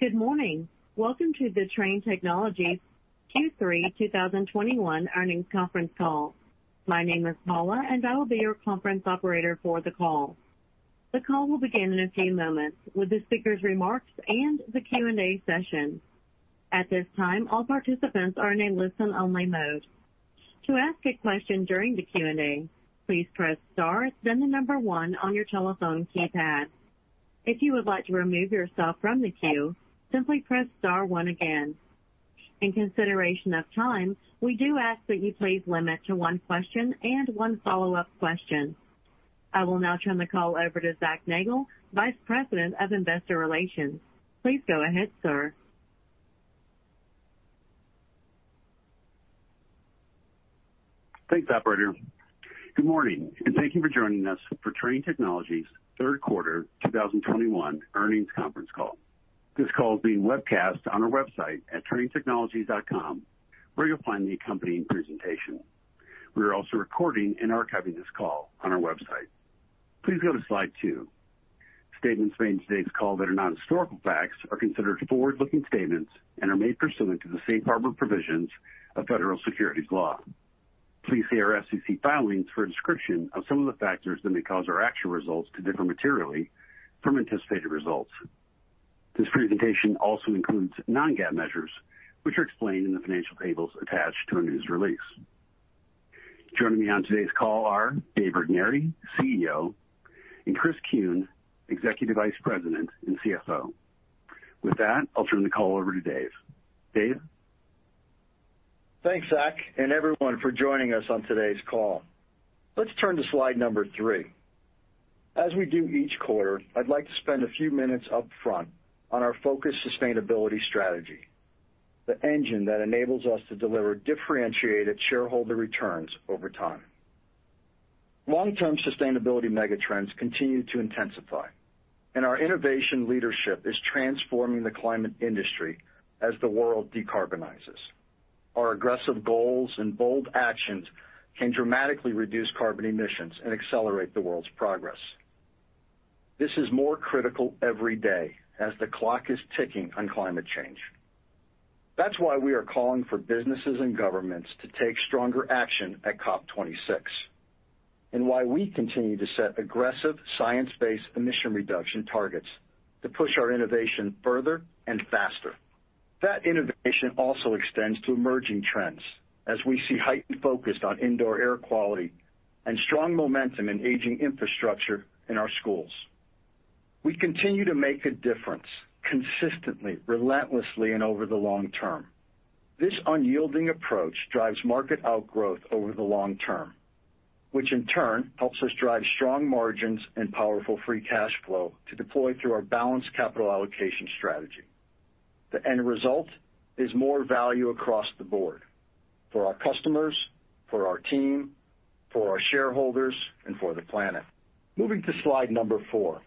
Good morning. Welcome to the Trane Technologies Q3 2021 Earnings Conference Call. My name is Paula, and I will be your conference operator for the call. The call will begin in a few moments with the speakers' remarks and the Q&A session. At this time, all participants are in a listen-only mode. To ask a question during the Q&A, please press star then the number one on your telephone keypad. If you would like to remove yourself from the queue, simply press star one again. In consideration of time, we do ask that you please limit to one question and one follow-up question. I will now turn the call over to Zac Nagle, Vice President of Investor Relations. Please go ahead, sir. Thanks, operator. Good morning, and thank you for joining us for Trane Technologies third quarter 2021 earnings conference call. This call is being webcast on our website at tranetechnologies.com, where you'll find the accompanying presentation. We are also recording and archiving this call on our website. Please go to slide 2. Statements made in today's call that are not historical facts are considered forward-looking statements and are made pursuant to the safe harbor provisions of federal securities law. Please see our SEC filings for a description of some of the factors that may cause our actual results to differ materially from anticipated results. This presentation also includes non-GAAP measures, which are explained in the financial tables attached to our news release. Joining me on today's call are Dave Regnery, CEO, and Chris Kuehn, Executive Vice President and CFO. With that, I'll turn the call over to Dave. Dave? Thanks, Zach, and everyone for joining us on today's call. Let's turn to slide number 3. As we do each quarter, I'd like to spend a few minutes up front on our focused sustainability strategy, the engine that enables us to deliver differentiated shareholder returns over time. Long-term sustainability megatrends continue to intensify, and our innovation leadership is transforming the climate industry as the world decarbonizes. Our aggressive goals and bold actions can dramatically reduce carbon emissions and accelerate the world's progress. This is more critical every day as the clock is ticking on climate change. That's why we are calling for businesses and governments to take stronger action at COP 26, and why we continue to set aggressive science-based emission reduction targets to push our innovation further and faster. That innovation also extends to emerging trends as we see heightened focus on indoor air quality and strong momentum in aging infrastructure in our schools. We continue to make a difference consistently, relentlessly, and over the long term. This unyielding approach drives market outgrowth over the long term, which in turn helps us drive strong margins and powerful free cash flow to deploy through our balanced capital allocation strategy. The end result is more value across the board for our customers, for our team, for our shareholders, and for the planet. Moving to slide 4.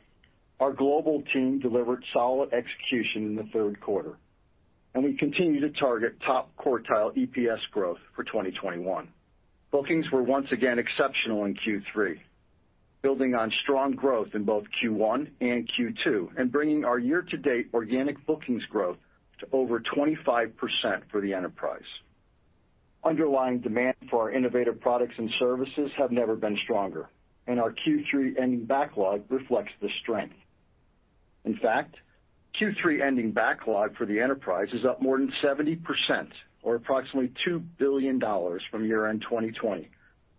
Our global team delivered solid execution in the third quarter, and we continue to target top quartile EPS growth for 2021. Bookings were once again exceptional in Q3, building on strong growth in both Q1 and Q2, and bringing our year-to-date organic bookings growth to over 25% for the enterprise. Underlying demand for our innovative products and services have never been stronger, and our Q3 ending backlog reflects this strength. In fact, Q3 ending backlog for the enterprise is up more than 70% or approximately $2 billion from year-end 2020,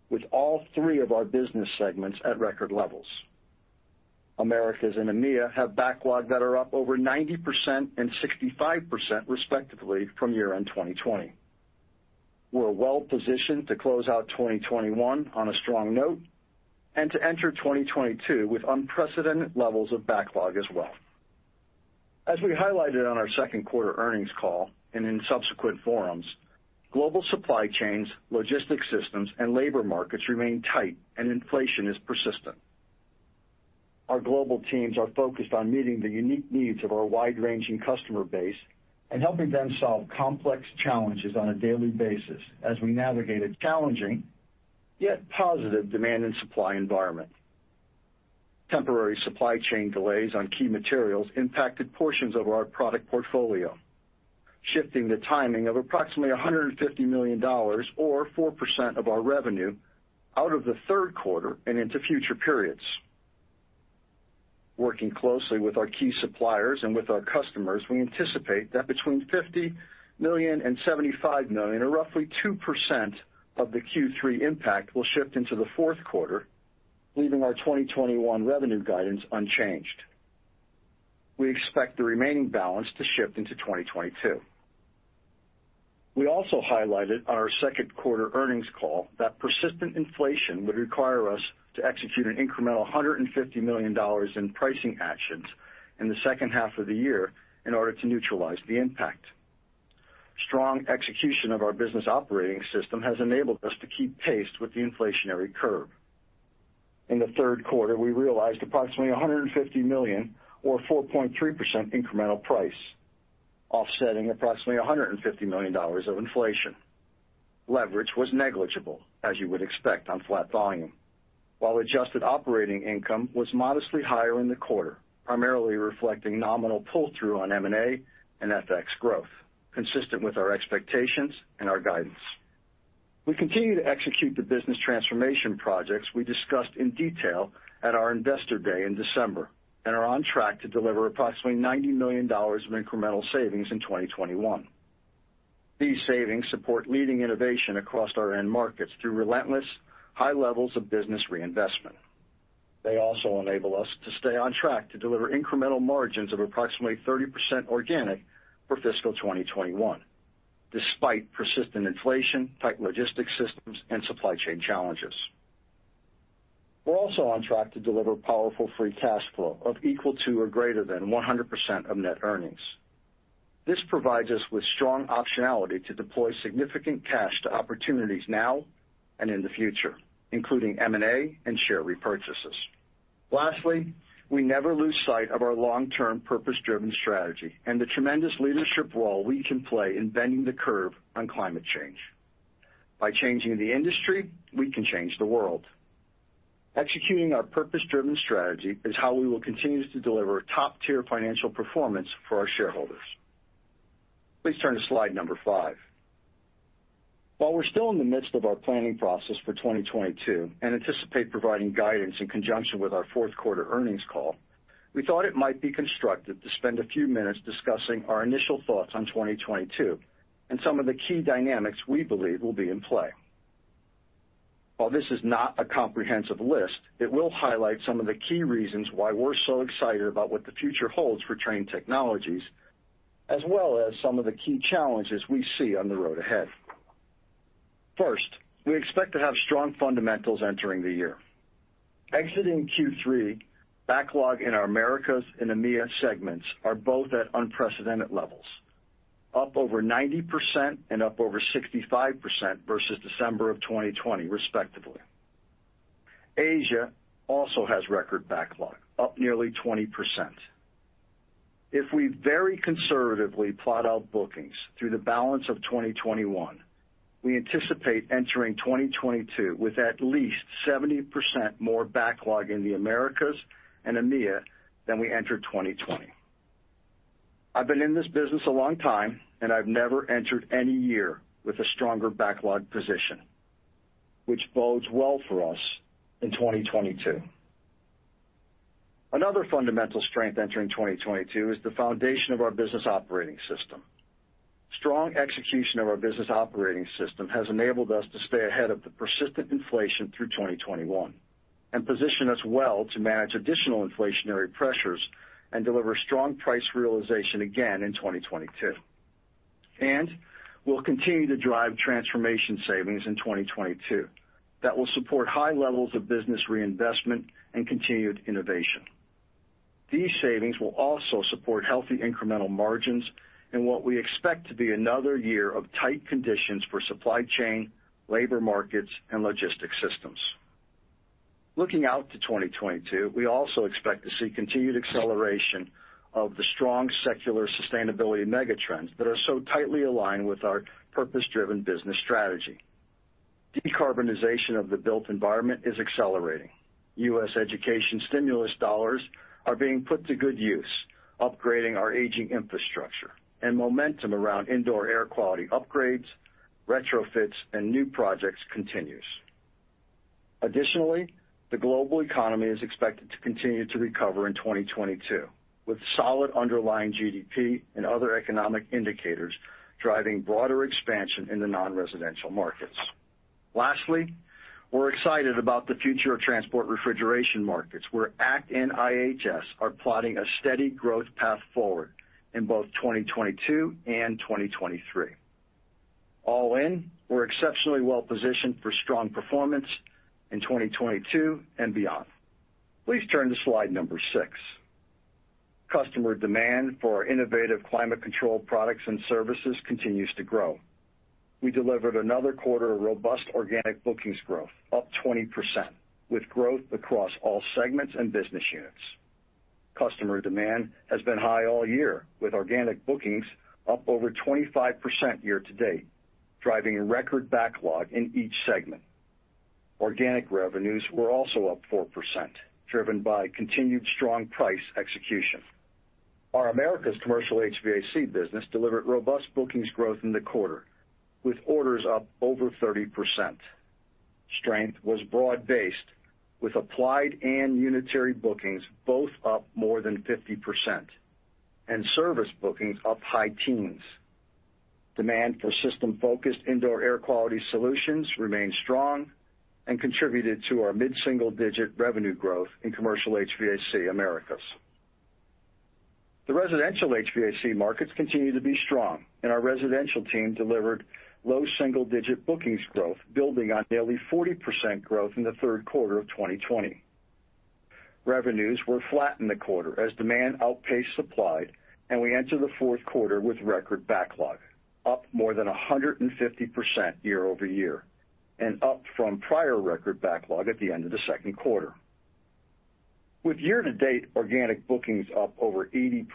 with all three of our business segments at record levels. Americas and EMEA have backlog that are up over 90% and 65%, respectively, from year-end 2020. We're well-positioned to close out 2021 on a strong note and to enter 2022 with unprecedented levels of backlog as well. As we highlighted on our second quarter earnings call and in subsequent forums, global supply chains, logistics systems, and labor markets remain tight and inflation is persistent. Our global teams are focused on meeting the unique needs of our wide-ranging customer base and helping them solve complex challenges on a daily basis as we navigate a challenging yet positive demand and supply environment. Temporary supply chain delays on key materials impacted portions of our product portfolio, shifting the timing of approximately $150 million or 4% of our revenue out of the third quarter and into future periods. Working closely with our key suppliers and with our customers, we anticipate that between $50 million and $75 million, or roughly 2% of the Q3 impact, will shift into the fourth quarter, leaving our 2021 revenue guidance unchanged. We expect the remaining balance to shift into 2022. We also highlighted on our second quarter earnings call that persistent inflation would require us to execute an incremental $150 million in pricing actions in the second half of the year in order to neutralize the impact. Strong execution of our business operating system has enabled us to keep pace with the inflationary curve. In the third quarter, we realized approximately $150 million or 4.3% incremental price, offsetting approximately $150 million of inflation. Leverage was negligible, as you would expect on flat volume. While adjusted operating income was modestly higher in the quarter, primarily reflecting nominal pull-through on M&A and FX growth, consistent with our expectations and our guidance. We continue to execute the business transformation projects we discussed in detail at our Investor Day in December and are on track to deliver approximately $90 million of incremental savings in 2021. These savings support leading innovation across our end markets through relentless high levels of business reinvestment. They also enable us to stay on track to deliver incremental margins of approximately 30% organic for fiscal 2021, despite persistent inflation, tight logistics systems, and supply chain challenges. We're also on track to deliver powerful free cash flow of equal to or greater than 100% of net earnings. This provides us with strong optionality to deploy significant cash to opportunities now and in the future, including M&A and share repurchases. Lastly, we never lose sight of our long-term purpose-driven strategy and the tremendous leadership role we can play in bending the curve on climate change. By changing the industry, we can change the world. Executing our purpose-driven strategy is how we will continue to deliver top-tier financial performance for our shareholders. Please turn to slide number 5. While we're still in the midst of our planning process for 2022 and anticipate providing guidance in conjunction with our fourth quarter earnings call, we thought it might be constructive to spend a few minutes discussing our initial thoughts on 2022 and some of the key dynamics we believe will be in play. While this is not a comprehensive list, it will highlight some of the key reasons why we're so excited about what the future holds for Trane Technologies, as well as some of the key challenges we see on the road ahead. First, we expect to have strong fundamentals entering the year. Exiting Q3, backlog in our Americas and EMEIA segments are both at unprecedented levels, up over 90% and up over 65% versus December of 2020, respectively. Asia also has record backlog, up nearly 20%. If we very conservatively plot out bookings through the balance of 2021, we anticipate entering 2022 with at least 70% more backlog in the Americas and EMEIA than we entered 2020. I've been in this business a long time, and I've never entered any year with a stronger backlog position, which bodes well for us in 2022. Another fundamental strength entering 2022 is the foundation of our business operating system. Strong execution of our business operating system has enabled us to stay ahead of the persistent inflation through 2021 and position us well to manage additional inflationary pressures and deliver strong price realization again in 2022. We'll continue to drive transformation savings in 2022 that will support high levels of business reinvestment and continued innovation. These savings will also support healthy incremental margins in what we expect to be another year of tight conditions for supply chain, labor markets, and logistics systems. Looking out to 2022, we also expect to see continued acceleration of the strong secular sustainability mega-trends that are so tightly aligned with our purpose-driven business strategy. Decarbonization of the built environment is accelerating. U.S. education stimulus dollars are being put to good use, upgrading our aging infrastructure, and momentum around indoor air quality upgrades, retrofits, and new projects continues. Additionally, the global economy is expected to continue to recover in 2022, with solid underlying GDP and other economic indicators driving broader expansion in the non-residential markets. Lastly, we're excited about the future of transport refrigeration markets, where ACT and IHS are plotting a steady growth path forward in both 2022 and 2023. All in, we're exceptionally well positioned for strong performance in 2022 and beyond. Please turn to slide 6. Customer demand for our innovative climate control products and services continues to grow. We delivered another quarter of robust organic bookings growth, up 20%, with growth across all segments and business units. Customer demand has been high all year, with organic bookings up over 25% year to date, driving record backlog in each segment. Organic revenues were also up 4%, driven by continued strong price execution. Our Americas commercial HVAC business delivered robust bookings growth in the quarter, with orders up over 30%. Strength was broad-based, with applied and unitary bookings both up more than 50% and service bookings up high teens. Demand for system-focused indoor air quality solutions remained strong and contributed to our mid-single-digit revenue growth in commercial HVAC Americas. The residential HVAC markets continue to be strong, and our residential team delivered low single-digit bookings growth, building on nearly 40% growth in the third quarter of 2020. Revenues were flat in the quarter as demand outpaced supply, and we enter the fourth quarter with record backlog up more than 150% year-over-year and up from prior record backlog at the end of the second quarter. With year-to-date organic bookings up over 80%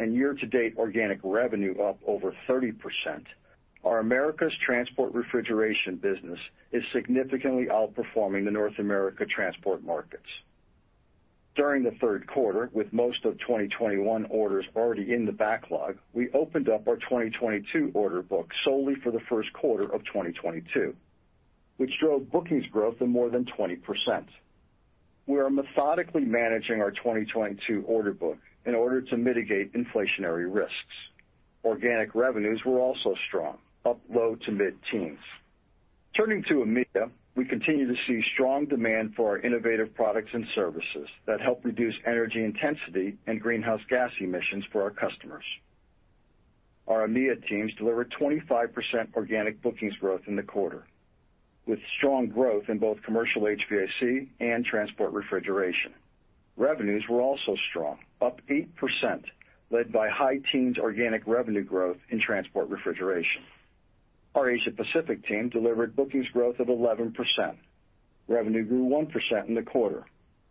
and year-to-date organic revenue up over 30%, our America's transport refrigeration business is significantly outperforming the North America transport markets. During the third quarter, with most of 2021 orders already in the backlog, we opened up our 2022 order book solely for the first quarter of 2022, which drove bookings growth of more than 20%. We are methodically managing our 2022 order book in order to mitigate inflationary risks. Organic revenues were also strong, up low- to mid-teens%. Turning to EMEA, we continue to see strong demand for our innovative products and services that help reduce energy intensity and greenhouse gas emissions for our customers. Our EMEA teams delivered 25% organic bookings growth in the quarter, with strong growth in both commercial HVAC and transport refrigeration. Revenues were also strong, up 8%, led by high teens organic revenue growth in transport refrigeration. Our Asia Pacific team delivered bookings growth of 11%. Revenue grew 1% in the quarter.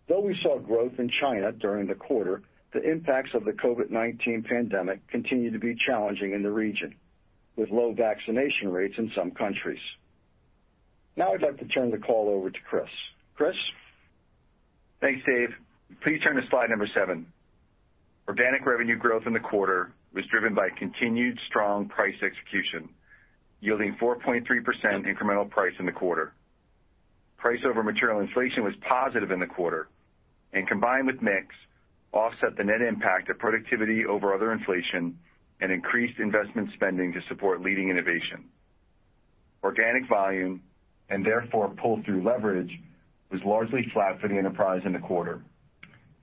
Though we saw growth in China during the quarter, the impacts of the COVID-19 pandemic continue to be challenging in the region, with low vaccination rates in some countries. Now I'd like to turn the call over to Chris. Chris? Thanks, Dave. Please turn to slide 7. Organic revenue growth in the quarter was driven by continued strong price execution, yielding 4.3% incremental price in the quarter. Price over material inflation was positive in the quarter, and combined with mix, offset the net impact of productivity over other inflation and increased investment spending to support leading innovation. Organic volume, and therefore pull-through leverage, was largely flat for the enterprise in the quarter.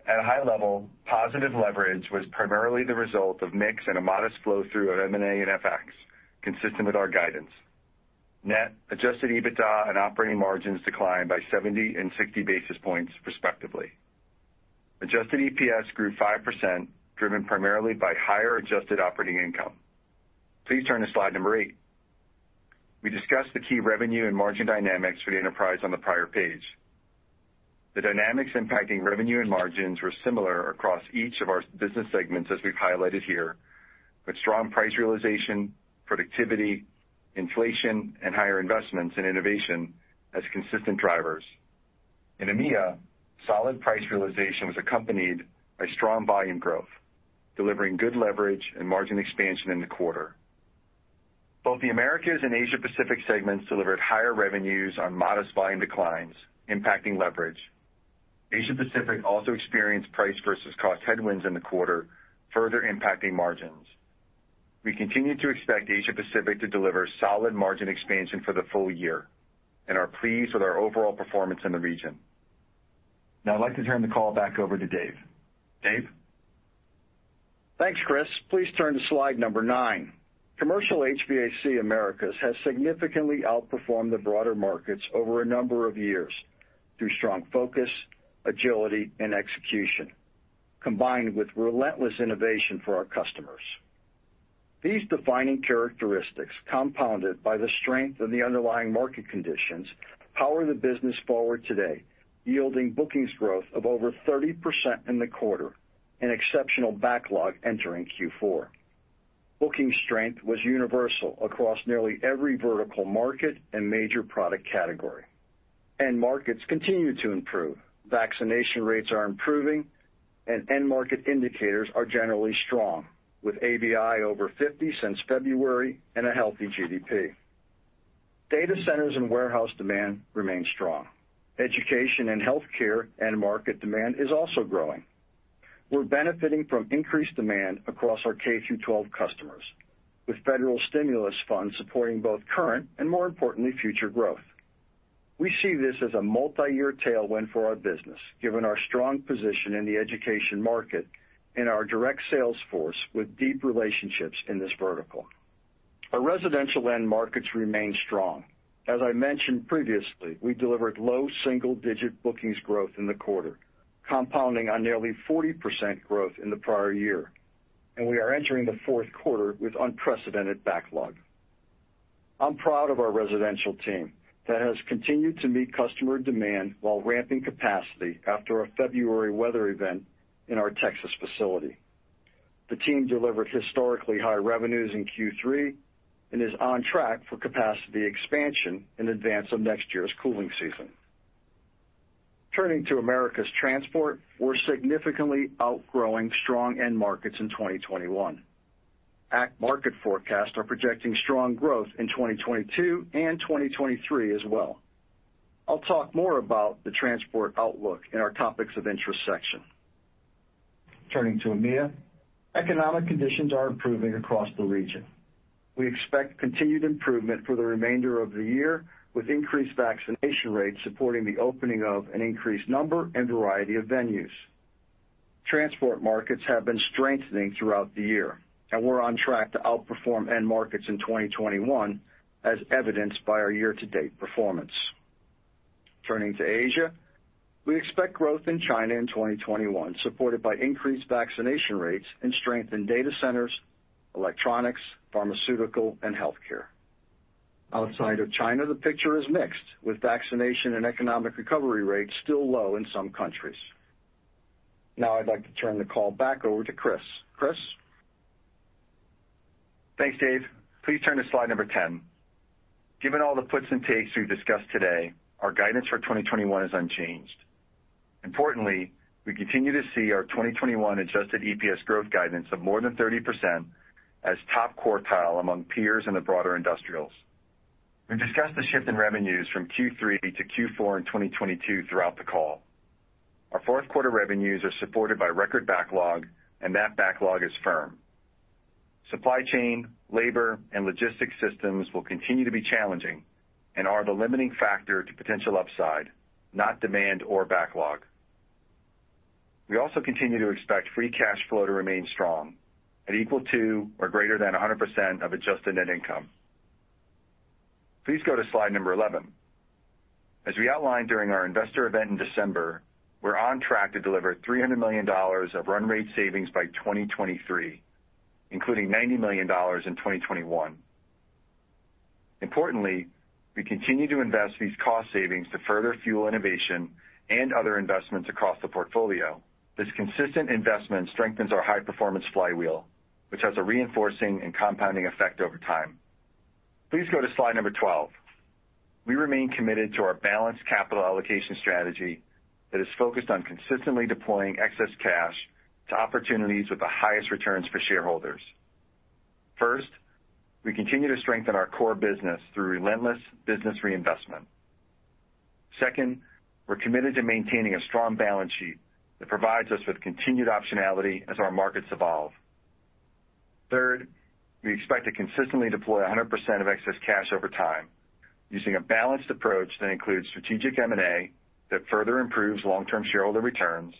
At a high level, positive leverage was primarily the result of mix and a modest flow-through of M&A and FX, consistent with our guidance. Net adjusted EBITDA and operating margins declined by 70 and 60 basis points respectively. Adjusted EPS grew 5%, driven primarily by higher adjusted operating income. Please turn to slide 8. We discussed the key revenue and margin dynamics for the enterprise on the prior page. The dynamics impacting revenue and margins were similar across each of our business segments as we've highlighted here, with strong price realization, productivity, inflation, and higher investments in innovation as consistent drivers. In EMEA, solid price realization was accompanied by strong volume growth, delivering good leverage and margin expansion in the quarter. Both the Americas and Asia Pacific segments delivered higher revenues on modest volume declines, impacting leverage. Asia Pacific also experienced price versus cost headwinds in the quarter, further impacting margins. We continue to expect Asia Pacific to deliver solid margin expansion for the full year and are pleased with our overall performance in the region. Now I'd like to turn the call back over to Dave. Dave? Thanks, Chris. Please turn to slide 9. Commercial HVAC Americas has significantly outperformed the broader markets over a number of years through strong focus, agility, and execution, combined with relentless innovation for our customers. These defining characteristics, compounded by the strength of the underlying market conditions, power the business forward today, yielding bookings growth of over 30% in the quarter and exceptional backlog entering Q4. Booking strength was universal across nearly every vertical market and major product category, and markets continue to improve. Vaccination rates are improving, and end market indicators are generally strong, with ABI over 50 since February and a healthy GDP. Data centers and warehouse demand remain strong. Education and healthcare and market demand is also growing. We're benefiting from increased demand across our K-12 customers, with federal stimulus funds supporting both current and, more importantly, future growth. We see this as a multiyear tailwind for our business, given our strong position in the education market and our direct sales force with deep relationships in this vertical. Our residential end markets remain strong. As I mentioned previously, we delivered low single-digit bookings growth in the quarter, compounding on nearly 40% growth in the prior year, and we are entering the fourth quarter with unprecedented backlog. I'm proud of our residential team that has continued to meet customer demand while ramping capacity after a February weather event in our Texas facility. The team delivered historically high revenues in Q3 and is on track for capacity expansion in advance of next year's cooling season. Turning to Americas Transport, we're significantly outgrowing strong end markets in 2021. ACT market forecasts are projecting strong growth in 2022 and 2023 as well. I'll talk more about the transport outlook in our topics of interest section. Turning to EMEA, economic conditions are improving across the region. We expect continued improvement for the remainder of the year, with increased vaccination rates supporting the opening of an increased number and variety of venues. Transport markets have been strengthening throughout the year, and we're on track to outperform end markets in 2021, as evidenced by our year-to-date performance. Turning to Asia, we expect growth in China in 2021, supported by increased vaccination rates and strength in data centers, electronics, pharmaceutical, and healthcare. Outside of China, the picture is mixed, with vaccination and economic recovery rates still low in some countries. Now I'd like to turn the call back over to Chris. Chris? Thanks, Dave. Please turn to slide 10. Given all the puts and takes we've discussed today, our guidance for 2021 is unchanged. Importantly, we continue to see our 2021 adjusted EPS growth guidance of more than 30% as top quartile among peers in the broader industrials. We've discussed the shift in revenues from Q3 to Q4 in 2022 throughout the call. Our fourth quarter revenues are supported by record backlog, and that backlog is firm. Supply chain, labor, and logistics systems will continue to be challenging and are the limiting factor to potential upside, not demand or backlog. We also continue to expect free cash flow to remain strong at equal to or greater than 100% of adjusted net income. Please go to slide 11. As we outlined during our investor event in December, we're on track to deliver $300 million of run rate savings by 2023, including $90 million in 2021. Importantly, we continue to invest these cost savings to further fuel innovation and other investments across the portfolio. This consistent investment strengthens our high-performance flywheel, which has a reinforcing and compounding effect over time. Please go to slide 12. We remain committed to our balanced capital allocation strategy that is focused on consistently deploying excess cash to opportunities with the highest returns for shareholders. First, we continue to strengthen our core business through relentless business reinvestment. Second, we're committed to maintaining a strong balance sheet that provides us with continued optionality as our markets evolve. Third, we expect to consistently deploy 100% of excess cash over time using a balanced approach that includes strategic M&A that further improves long-term shareholder returns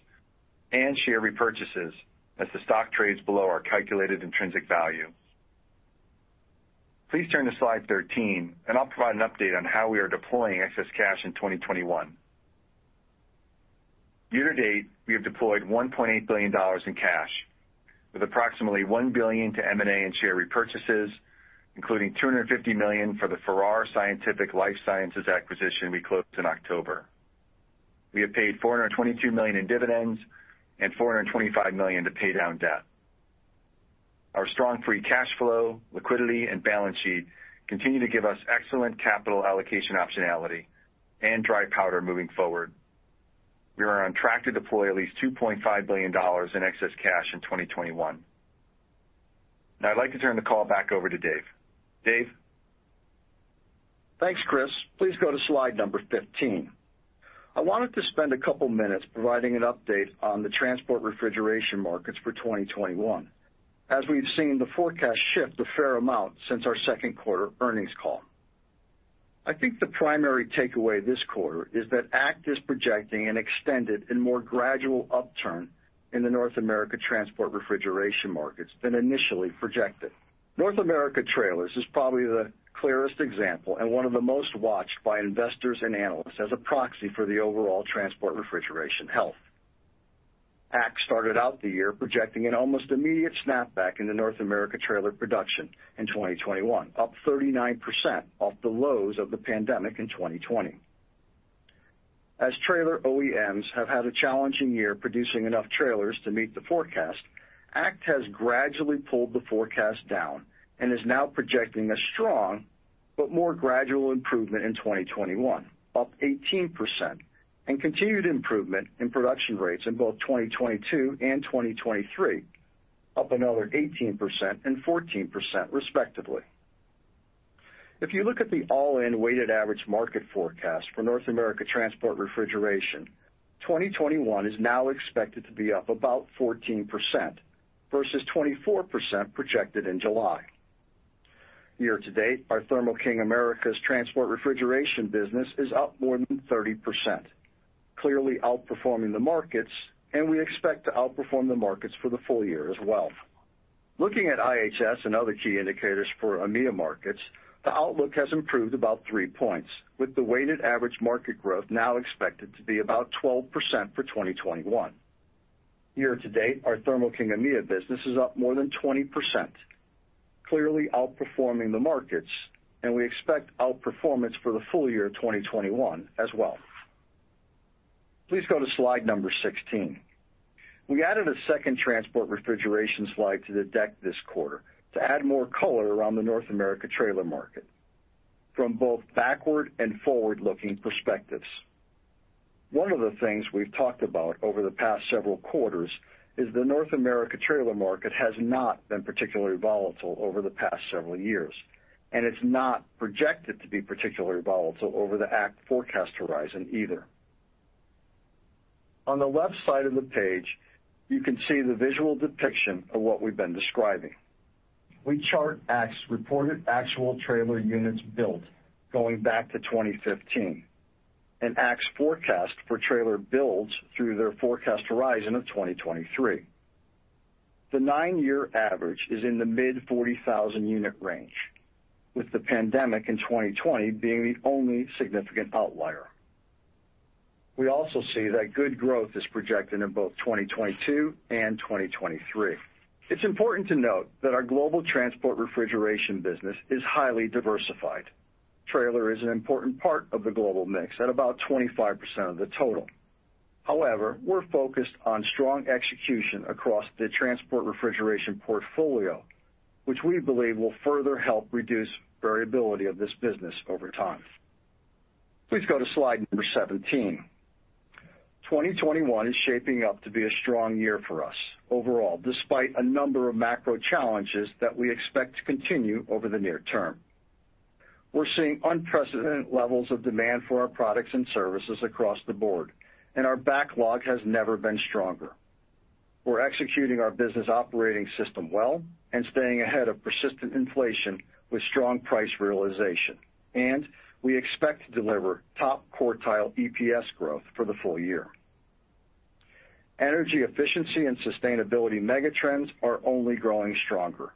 and share repurchases as the stock trades below our calculated intrinsic value. Please turn to slide 13, and I'll provide an update on how we are deploying excess cash in 2021. Year-to-date, we have deployed $1.8 billion in cash, with approximately $1 billion to M&A and share repurchases, including $250 million for the Farrar Scientific Life Sciences acquisition we closed in October. We have paid $422 million in dividends and $425 million to pay down debt. Our strong free cash flow, liquidity, and balance sheet continue to give us excellent capital allocation optionality and dry powder moving forward. We are on track to deploy at least $2.5 billion in excess cash in 2021. Now I'd like to turn the call back over to Dave. Dave? Thanks, Chris. Please go to slide number 15. I wanted to spend a couple minutes providing an update on the transport refrigeration markets for 2021, as we've seen the forecast shift a fair amount since our second quarter earnings call. I think the primary takeaway this quarter is that ACT is projecting an extended and more gradual upturn in the North America transport refrigeration markets than initially projected. North America trailers is probably the clearest example and one of the most watched by investors and analysts as a proxy for the overall transport refrigeration health. ACT started out the year projecting an almost immediate snapback in the North America trailer production in 2021, up 39% off the lows of the pandemic in 2020. As trailer OEMs have had a challenging year producing enough trailers to meet the forecast, ACT has gradually pulled the forecast down and is now projecting a strong but more gradual improvement in 2021, up 18%, and continued improvement in production rates in both 2022 and 2023, up another 18% and 14% respectively. If you look at the all-in weighted average market forecast for North America transport refrigeration, 2021 is now expected to be up about 14% versus 24% projected in July. Year-to-date, our Thermo King Americas transport refrigeration business is up more than 30%, clearly outperforming the markets, and we expect to outperform the markets for the full year as well. Looking at IHS and other key indicators for EMEA markets, the outlook has improved about 3 points, with the weighted average market growth now expected to be about 12% for 2021. Year-to-date, our Thermo King EMEA business is up more than 20%, clearly outperforming the markets, and we expect outperformance for the full year 2021 as well. Please go to slide 16. We added a second transport refrigeration slide to the deck this quarter to add more color around the North America trailer market from both backward and forward-looking perspectives. One of the things we've talked about over the past several quarters is the North America trailer market has not been particularly volatile over the past several years, and it's not projected to be particularly volatile over the ACT forecast horizon either. On the left side of the page, you can see the visual depiction of what we've been describing. We chart ACT's reported actual trailer units built going back to 2015 and ACT's forecast for trailer builds through their forecast horizon of 2023. The 9-year average is in the mid-40,000-unit range, with the pandemic in 2020 being the only significant outlier. We also see that good growth is projected in both 2022 and 2023. It's important to note that our global transport refrigeration business is highly diversified. Trailer is an important part of the global mix at about 25% of the total. However, we're focused on strong execution across the transport refrigeration portfolio, which we believe will further help reduce variability of this business over time. Please go to slide number 17. 2021 is shaping up to be a strong year for us overall, despite a number of macro challenges that we expect to continue over the near term. We're seeing unprecedented levels of demand for our products and services across the board, and our backlog has never been stronger. We're executing our business operating system well and staying ahead of persistent inflation with strong price realization, and we expect to deliver top quartile EPS growth for the full year. Energy efficiency and sustainability mega trends are only growing stronger.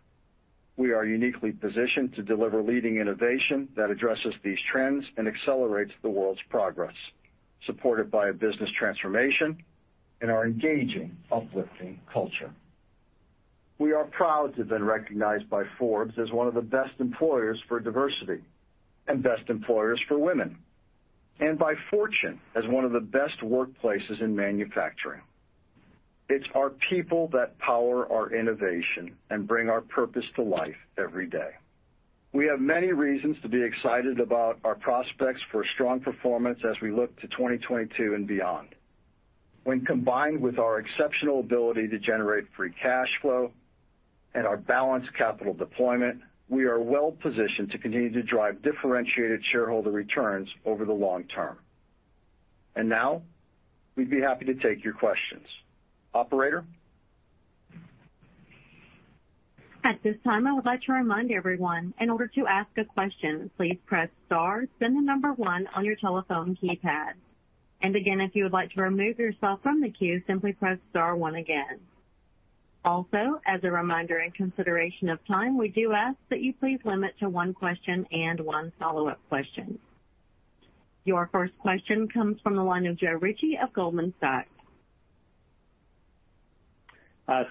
We are uniquely positioned to deliver leading innovation that addresses these trends and accelerates the world's progress, supported by a business transformation and our engaging, uplifting culture. We are proud to have been recognized by Forbes as one of the best employers for diversity and best employers for women, and by Fortune as one of the best workplaces in manufacturing. It's our people that power our innovation and bring our purpose to life every day. We have many reasons to be excited about our prospects for strong performance as we look to 2022 and beyond. When combined with our exceptional ability to generate free cash flow and our balanced capital deployment, we are well positioned to continue to drive differentiated shareholder returns over the long term. Now we'd be happy to take your questions. Operator? At this time, I would like to remind everyone, in order to ask a question, please press star, then 1 on your telephone keypad. Again, if you would like to remove yourself from the queue, simply press star 1 again. Also, as a reminder, in consideration of time, we do ask that you please limit to one question and one follow-up question. Your first question comes from the line of Joe Ritchie of Goldman Sachs.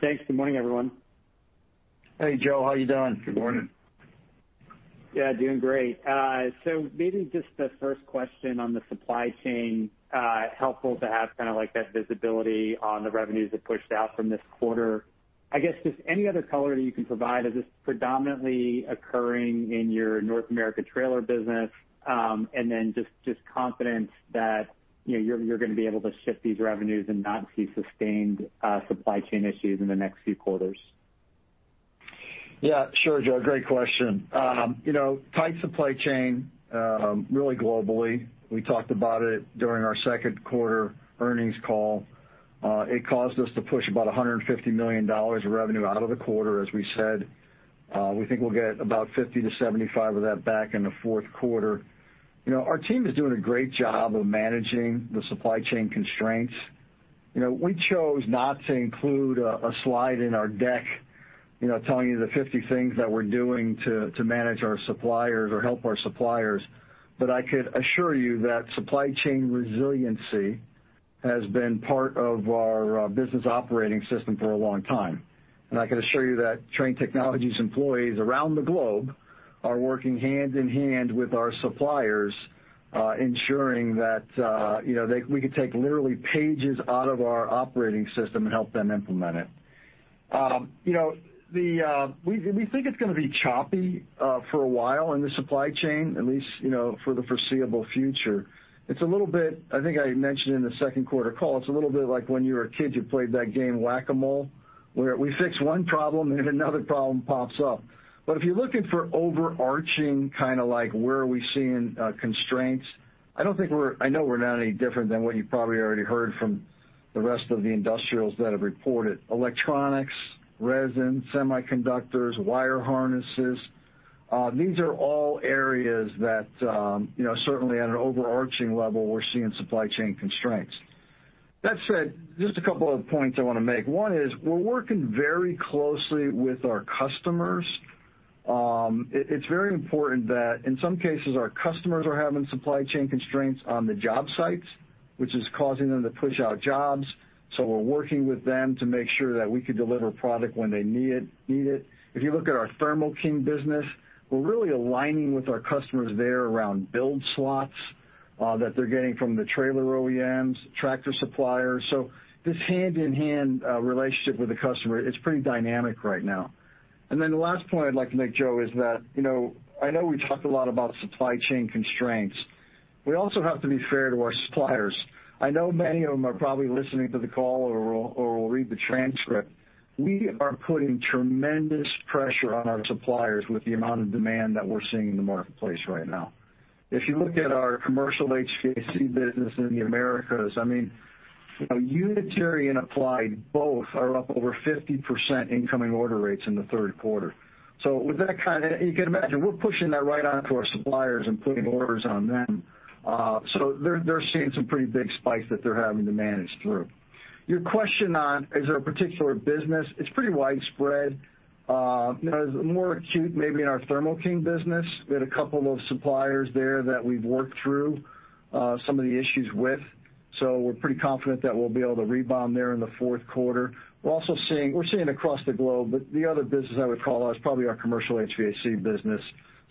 Thanks. Good morning, everyone. Hey, Joe. How you doing? Good morning. Yeah, doing great. So maybe just the first question on the supply chain, helpful to have kind of like that visibility on the revenues that pushed out from this quarter. I guess just any other color you can provide. Is this predominantly occurring in your North America trailer business? And then just confidence that, you know, you're going to be able to shift these revenues and not see sustained supply chain issues in the next few quarters. Yeah, sure, Joe. Great question. You know, tight supply chain, really globally. We talked about it during our second quarter earnings call. It caused us to push about $150 million of revenue out of the quarter. As we said, we think we'll get about $50 million-$75 million of that back in the fourth quarter. You know, our team is doing a great job of managing the supply chain constraints. You know, we chose not to include a slide in our deck, you know, telling you the 50 things that we're doing to manage our suppliers or help our suppliers. But I could assure you that supply chain resiliency has been part of our business operating system for a long time. I can assure you that Trane Technologies employees around the globe are working hand in hand with our suppliers, ensuring that we could take literally pages out of our operating system and help them implement it. We think it's gonna be choppy for a while in the supply chain, at least, for the foreseeable future. I think I mentioned in the second quarter call, it's a little bit like when you were a kid, you played that game Whack-A-Mole, where we fix one problem and another problem pops up. If you're looking for overarching, kind of like, where are we seeing constraints, I know we're not any different than what you've probably already heard from the rest of the industrials that have reported. Electronics, resin, semiconductors, wire harnesses, these are all areas that, you know, certainly at an overarching level, we're seeing supply chain constraints. That said, just a couple of points I want to make. One is we're working very closely with our customers. It's very important that in some cases, our customers are having supply chain constraints on the job sites, which is causing them to push out jobs. So we're working with them to make sure that we can deliver product when they need it. If you look at our Thermo King business, we're really aligning with our customers there around build slots that they're getting from the trailer OEMs, tractor suppliers. So this hand-in-hand relationship with the customer, it's pretty dynamic right now. The last point I'd like to make, Joe, is that, you know, I know we talked a lot about supply chain constraints. We also have to be fair to our suppliers. I know many of them are probably listening to the call or will read the transcript. We are putting tremendous pressure on our suppliers with the amount of demand that we're seeing in the marketplace right now. If you look at our commercial HVAC business in the Americas, I mean, you know, Unitary and Applied both are up over 50% incoming order rates in the third quarter. With that kind of, you can imagine we're pushing that right on to our suppliers and putting orders on them. They're seeing some pretty big spikes that they're having to manage through. Your question on is there a particular business? It's pretty widespread. You know, more acute maybe in our Thermo King business. We had a couple of suppliers there that we've worked through some of the issues with. We're pretty confident that we'll be able to rebound there in the fourth quarter. We're also seeing across the globe, but the other business I would call out is probably our commercial HVAC business.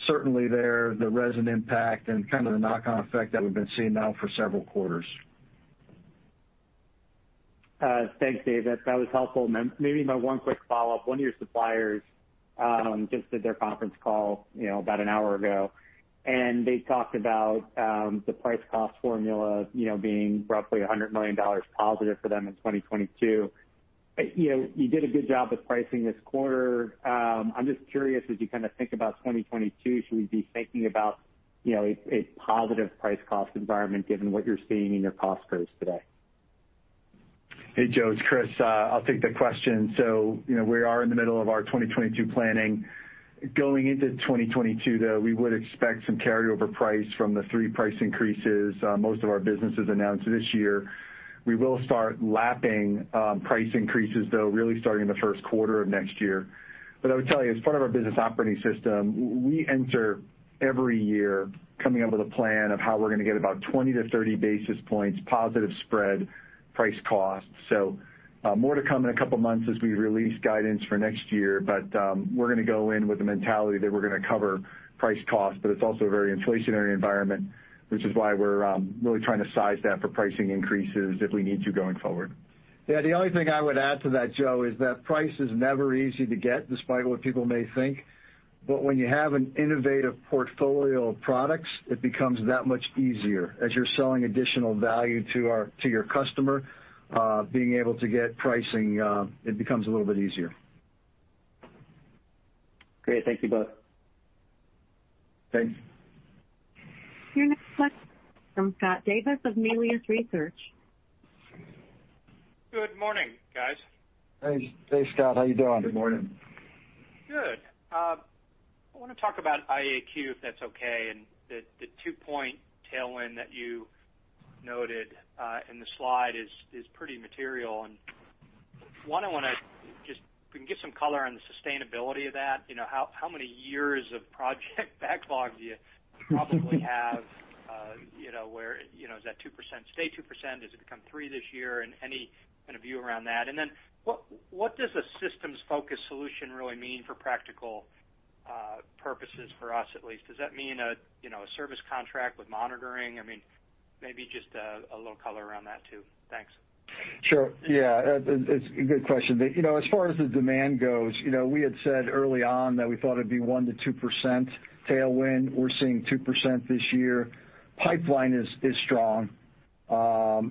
Certainly there, the resin impact and kind of the knock-on effect that we've been seeing now for several quarters. Thanks, Dave. That was helpful. Maybe my one quick follow-up. One of your suppliers just did their conference call, you know, about an hour ago, and they talked about the price cost formula, you know, being roughly $100 million positive for them in 2022. You know, you did a good job with pricing this quarter. I'm just curious, as you kind of think about 2022, should we be thinking about, you know, a positive price cost environment given what you're seeing in your cost curves today? Hey, Joe, it's Chris. I'll take the question. You know, we are in the middle of our 2022 planning. Going into 2022, though, we would expect some carryover price from the 3 price increases most of our businesses announced this year. We will start lapping price increases, though, really starting in the first quarter of next year. I would tell you, as part of our business operating system, we enter every year coming up with a plan of how we're gonna get about 20-30 basis points positive spread price cost. More to come in a couple of months as we release guidance for next year. We're gonna go in with the mentality that we're gonna cover price cost, but it's also a very inflationary environment, which is why we're really trying to size that for pricing increases if we need to going forward. Yeah. The only thing I would add to that, Joe, is that price is never easy to get, despite what people may think. When you have an innovative portfolio of products, it becomes that much easier. As you're selling additional value to your customer, being able to get pricing, it becomes a little bit easier. Great. Thank you both. Thanks. Your next question comes from Scott Davis of Melius Research. Good morning, guys. Hey. Hey, Scott. How you doing? Good morning. Good. I want to talk about IAQ, if that's okay, and the 2-point tailwind that you noted in the slide is pretty material. I want to get some color on the sustainability of that. You know, how many years of project backlog do you probably have, you know, where, you know, is that 2% stay 2%? Does it become 3 this year? Any kind of view around that. Then what does a systems-focused solution really mean for practical purposes for us at least? Does that mean a service contract with monitoring? I mean, maybe just a little color around that too. Thanks. Sure. Yeah. It's a good question. You know, as far as the demand goes, you know, we had said early on that we thought it'd be 1% to 2% tailwind. We're seeing 2% this year. Pipeline is strong.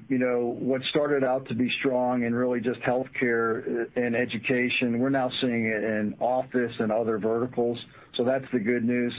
You know, what started out to be strong and really just healthcare and education, we're now seeing it in office and other verticals, so that's the good news.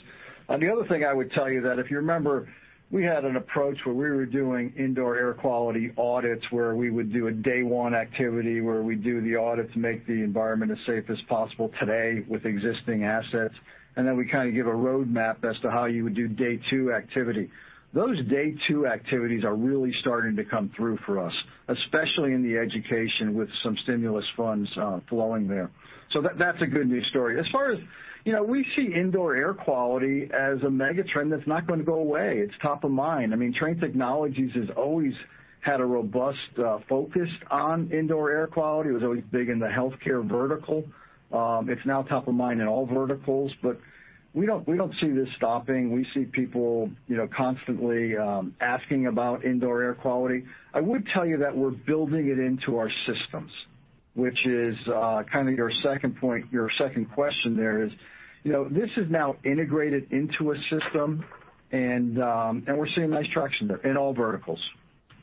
The other thing I would tell you that if you remember, we had an approach where we were doing indoor air quality audits, where we would do a day one activity, where we do the audit to make the environment as safe as possible today with existing assets, and then we kinda give a roadmap as to how you would do day two activity. Those day two activities are really starting to come through for us, especially in the education with some stimulus funds flowing there. That's a good news story. As far as, you know, we see indoor air quality as a mega trend that's not gonna go away. It's top of mind. I mean, Trane Technologies has always had a robust focus on indoor air quality. It was always big in the healthcare vertical. It's now top of mind in all verticals, but we don't see this stopping. We see people, you know, constantly asking about indoor air quality. I would tell you that we're building it into our systems, which is kinda your second point, your second question there is. You know, this is now integrated into a system and we're seeing nice traction there in all verticals.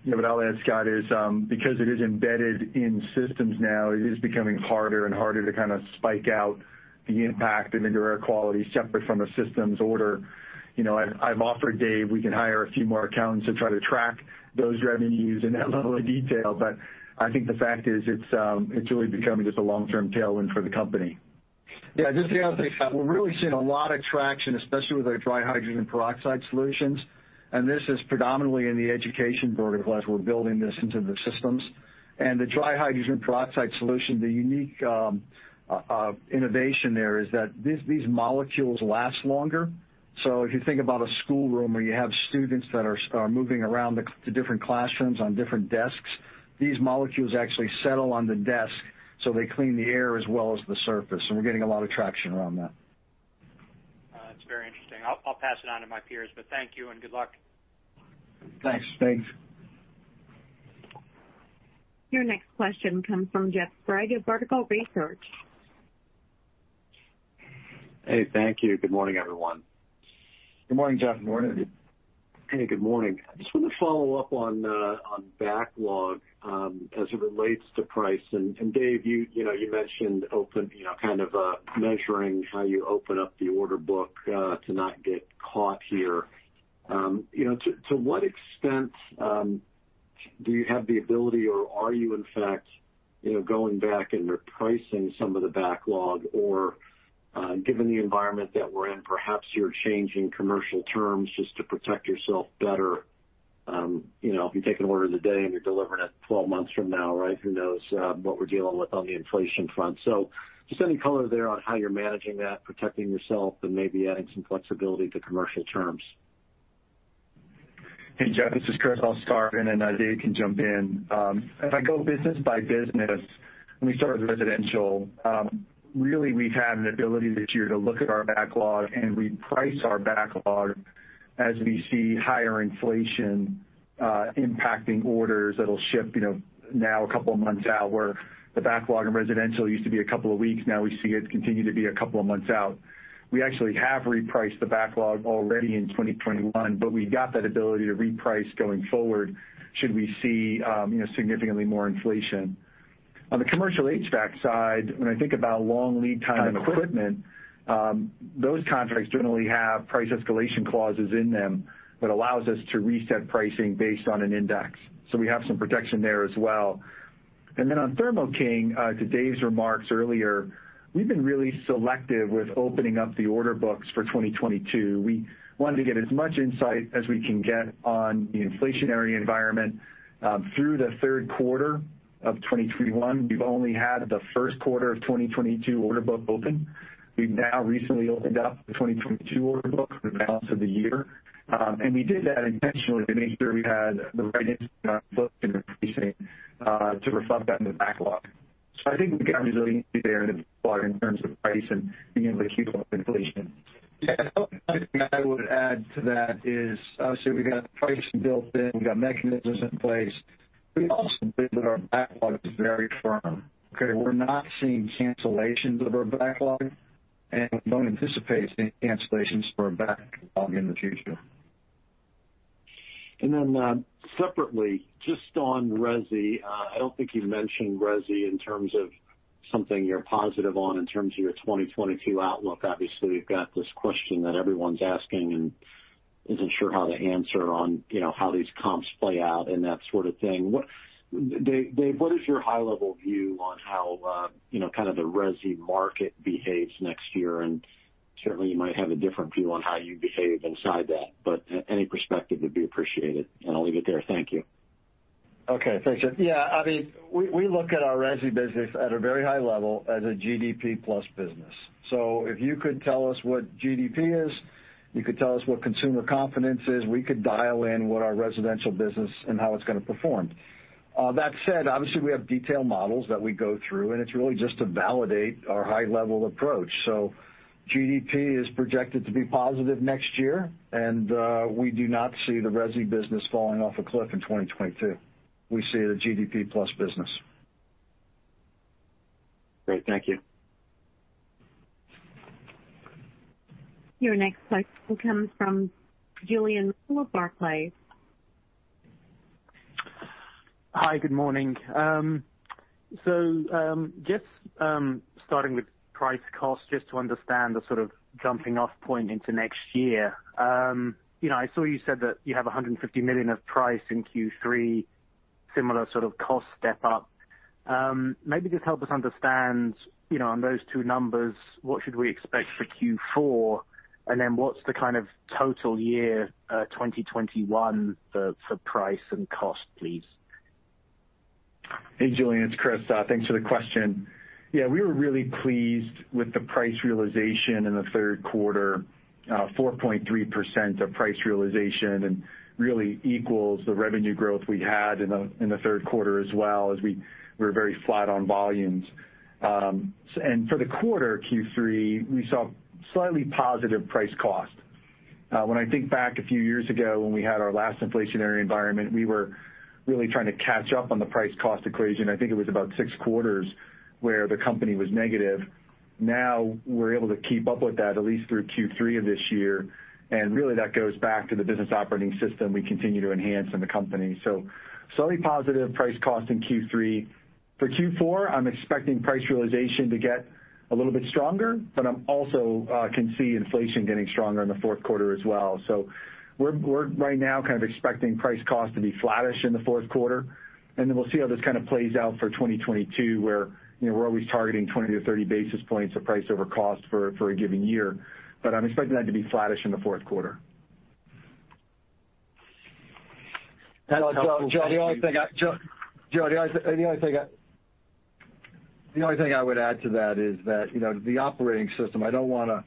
You know, what I'll add, Scott, is because it is embedded in systems now, it is becoming harder and harder to kinda spike out the impact of indoor air quality separate from a systems order. You know, I've offered Dave, we can hire a few more accountants to try to track those revenues in that level of detail, but I think the fact is it's really becoming just a long-term tailwind for the company. Yeah. Just to add, Scott, we're really seeing a lot of traction, especially with our dry hydrogen peroxide solutions, and this is predominantly in the education vertical as we're building this into the systems. The dry hydrogen peroxide solution, the unique innovation there is that these molecules last longer. So if you think about a school room where you have students that are moving around to different classrooms on different desks, these molecules actually settle on the desk, so they clean the air as well as the surface, and we're getting a lot of traction around that. That's very interesting. I'll pass it on to my peers, but thank you and good luck. Thanks. Thanks. Your next question comes from Jeff Sprague of Vertical Research Partners. Hey. Thank you. Good morning, everyone. Good morning, Jeff. Good morning. Hey, good morning. I just wanna follow up on on backlog as it relates to price. Dave, you know, you mentioned open, you know, kind of measuring how you open up the order book to not get caught here. You know, to what extent do you have the ability, or are you in fact, you know, going back and repricing some of the backlog? Given the environment that we're in, perhaps you're changing commercial terms just to protect yourself better. You know, if you take an order today and you're delivering it 12 months from now, right, who knows what we're dealing with on the inflation front. Just any color there on how you're managing that, protecting yourself, and maybe adding some flexibility to commercial terms. Hey, Jeff, this is Chris. I'll start, and then Dave can jump in. If I go business by business, let me start with residential. Really, we've had an ability this year to look at our backlog, and we price our backlog as we see higher inflation impacting orders that'll ship, you know, now a couple of months out, where the backlog in residential used to be a couple of weeks, now we see it continue to be a couple of months out. We actually have repriced the backlog already in 2021, but we've got that ability to reprice going forward should we see, you know, significantly more inflation. On the commercial HVAC side, when I think about long lead time on equipment, those contracts generally have price escalation clauses in them that allows us to reset pricing based on an index. We have some protection there as well. On Thermo King, to Dave's remarks earlier, we've been really selective with opening up the order books for 2022. We wanted to get as much insight as we can get on the inflationary environment through the third quarter of 2021. We've only had the first quarter of 2022 order book open. We've now recently opened up the 2022 order book for the balance of the year. We did that intentionally to make sure we had the right input on books and increasing to reflect that in the backlog. I think we've got resiliency there in the backlog in terms of pricing, being able to keep up with inflation. Yeah. The only thing I would add to that is, obviously, we've got pricing built in, we've got mechanisms in place. We also believe that our backlog is very firm, okay? We're not seeing cancellations of our backlog, and we don't anticipate seeing cancellations for our backlog in the future. Separately, just on resi, I don't think you mentioned resi in terms of something you're positive on in terms of your 2022 outlook. Obviously, you've got this question that everyone's asking and isn't sure how to answer on, you know, how these comps play out and that sort of thing. Dave, what is your high level view on how, you know, kind of the resi market behaves next year? Certainly you might have a different view on how you behave inside that, but any perspective would be appreciated. I'll leave it there. Thank you. Okay. Thanks, Jeff. Yeah, I mean, we look at our resi business at a very high level as a GDP plus business. If you could tell us what GDP is, you could tell us what consumer confidence is, we could dial in what our residential business and how it's gonna perform. That said, obviously, we have detailed models that we go through, and it's really just to validate our high level approach. GDP is projected to be positive next year, and we do not see the resi business falling off a cliff in 2022. We see it a GDP plus business. Great. Thank you. Your next question comes from Julian Mitchell of Barclays. Hi. Good morning. Just starting with price cost, just to understand the sort of jumping off point into next year. You know, I saw you said that you have $150 million of price in Q3, similar sort of cost step up. Maybe just help us understand, you know, on those two numbers, what should we expect for Q4? Then what's the kind of total year, 2021 for price and cost, please? Hey, Julian, it's Chris. Thanks for the question. Yeah, we were really pleased with the price realization in the third quarter. 4.3% of price realization, and really equals the revenue growth we had in the third quarter as well as we were very flat on volumes. And for the quarter Q3, we saw slightly positive price cost. When I think back a few years ago when we had our last inflationary environment, we were really trying to catch up on the price cost equation. I think it was about 6 quarters where the company was negative. Now we're able to keep up with that at least through Q3 of this year. Really, that goes back to the business operating system we continue to enhance in the company. Slightly positive price cost in Q3. For Q4, I'm expecting price realization to get a little bit stronger, but I'm also can see inflation getting stronger in the fourth quarter as well. We're right now kind of expecting price cost to be flattish in the fourth quarter, and then we'll see how this kind of plays out for 2022, where, you know, we're always targeting 20 to 30 basis points of price over cost for a given year. I'm expecting that to be flattish in the fourth quarter. That's helpful. Thank you. Joe, the only thing I would add to that is that, you know, the operating system. I don't wanna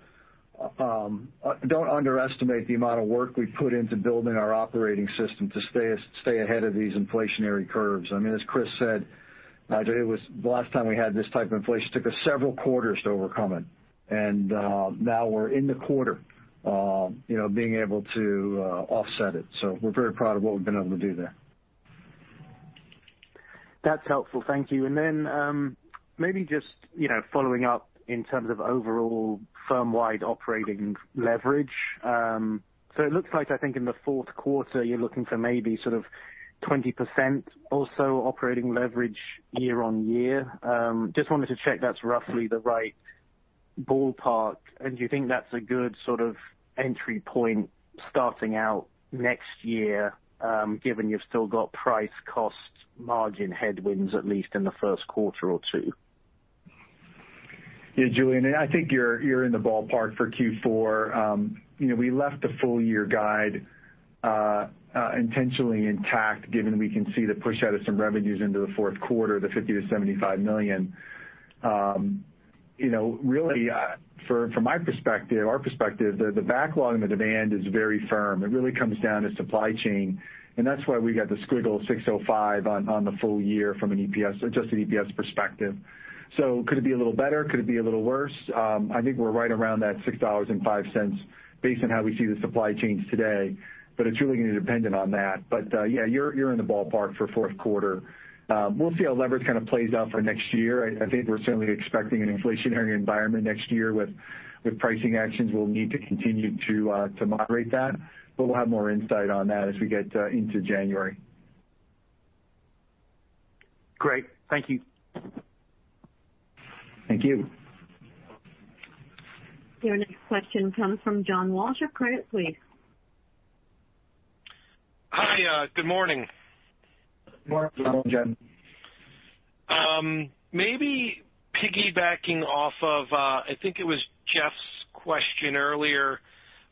don't underestimate the amount of work we've put into building our operating system to stay ahead of these inflationary curves. I mean, as Chris said, it was the last time we had this type of inflation, it took us several quarters to overcome it. Now we're in the quarter, you know, being able to offset it. We're very proud of what we've been able to do there. That's helpful. Thank you. Maybe just, you know, following up in terms of overall firm-wide operating leverage. It looks like, I think in the fourth quarter, you're looking for maybe sort of 20% or so operating leverage year-over-year. Just wanted to check that's roughly the right ballpark. Do you think that's a good sort of entry point starting out next year, given you've still got price cost margin headwinds, at least in the first quarter or two? Yeah, Julian, I think you're in the ballpark for Q4. You know, we left the full year guide intentionally intact given we can see the push out of some revenues into the fourth quarter, the $50 million-$75 million. You know, really, from my perspective, our perspective, the backlog and the demand is very firm. It really comes down to supply chain, and that's why we got the $6.05 on the full year from an EPS, or just an EPS perspective. Could it be a little better? Could it be a little worse? I think we're right around that $6.05 based on how we see the supply chains today, but it's really gonna be dependent on that. Yeah, you're in the ballpark for fourth quarter. We'll see how leverage kind of plays out for next year. I think we're certainly expecting an inflationary environment next year with pricing actions. We'll need to continue to moderate that, but we'll have more insight on that as we get into January. Great. Thank you. Thank you. Your next question comes from John Walsh of Credit Suisse. Hi, good morning. Morning, John. Good morning, John. Maybe piggybacking off of, I think it was Jeff's question earlier.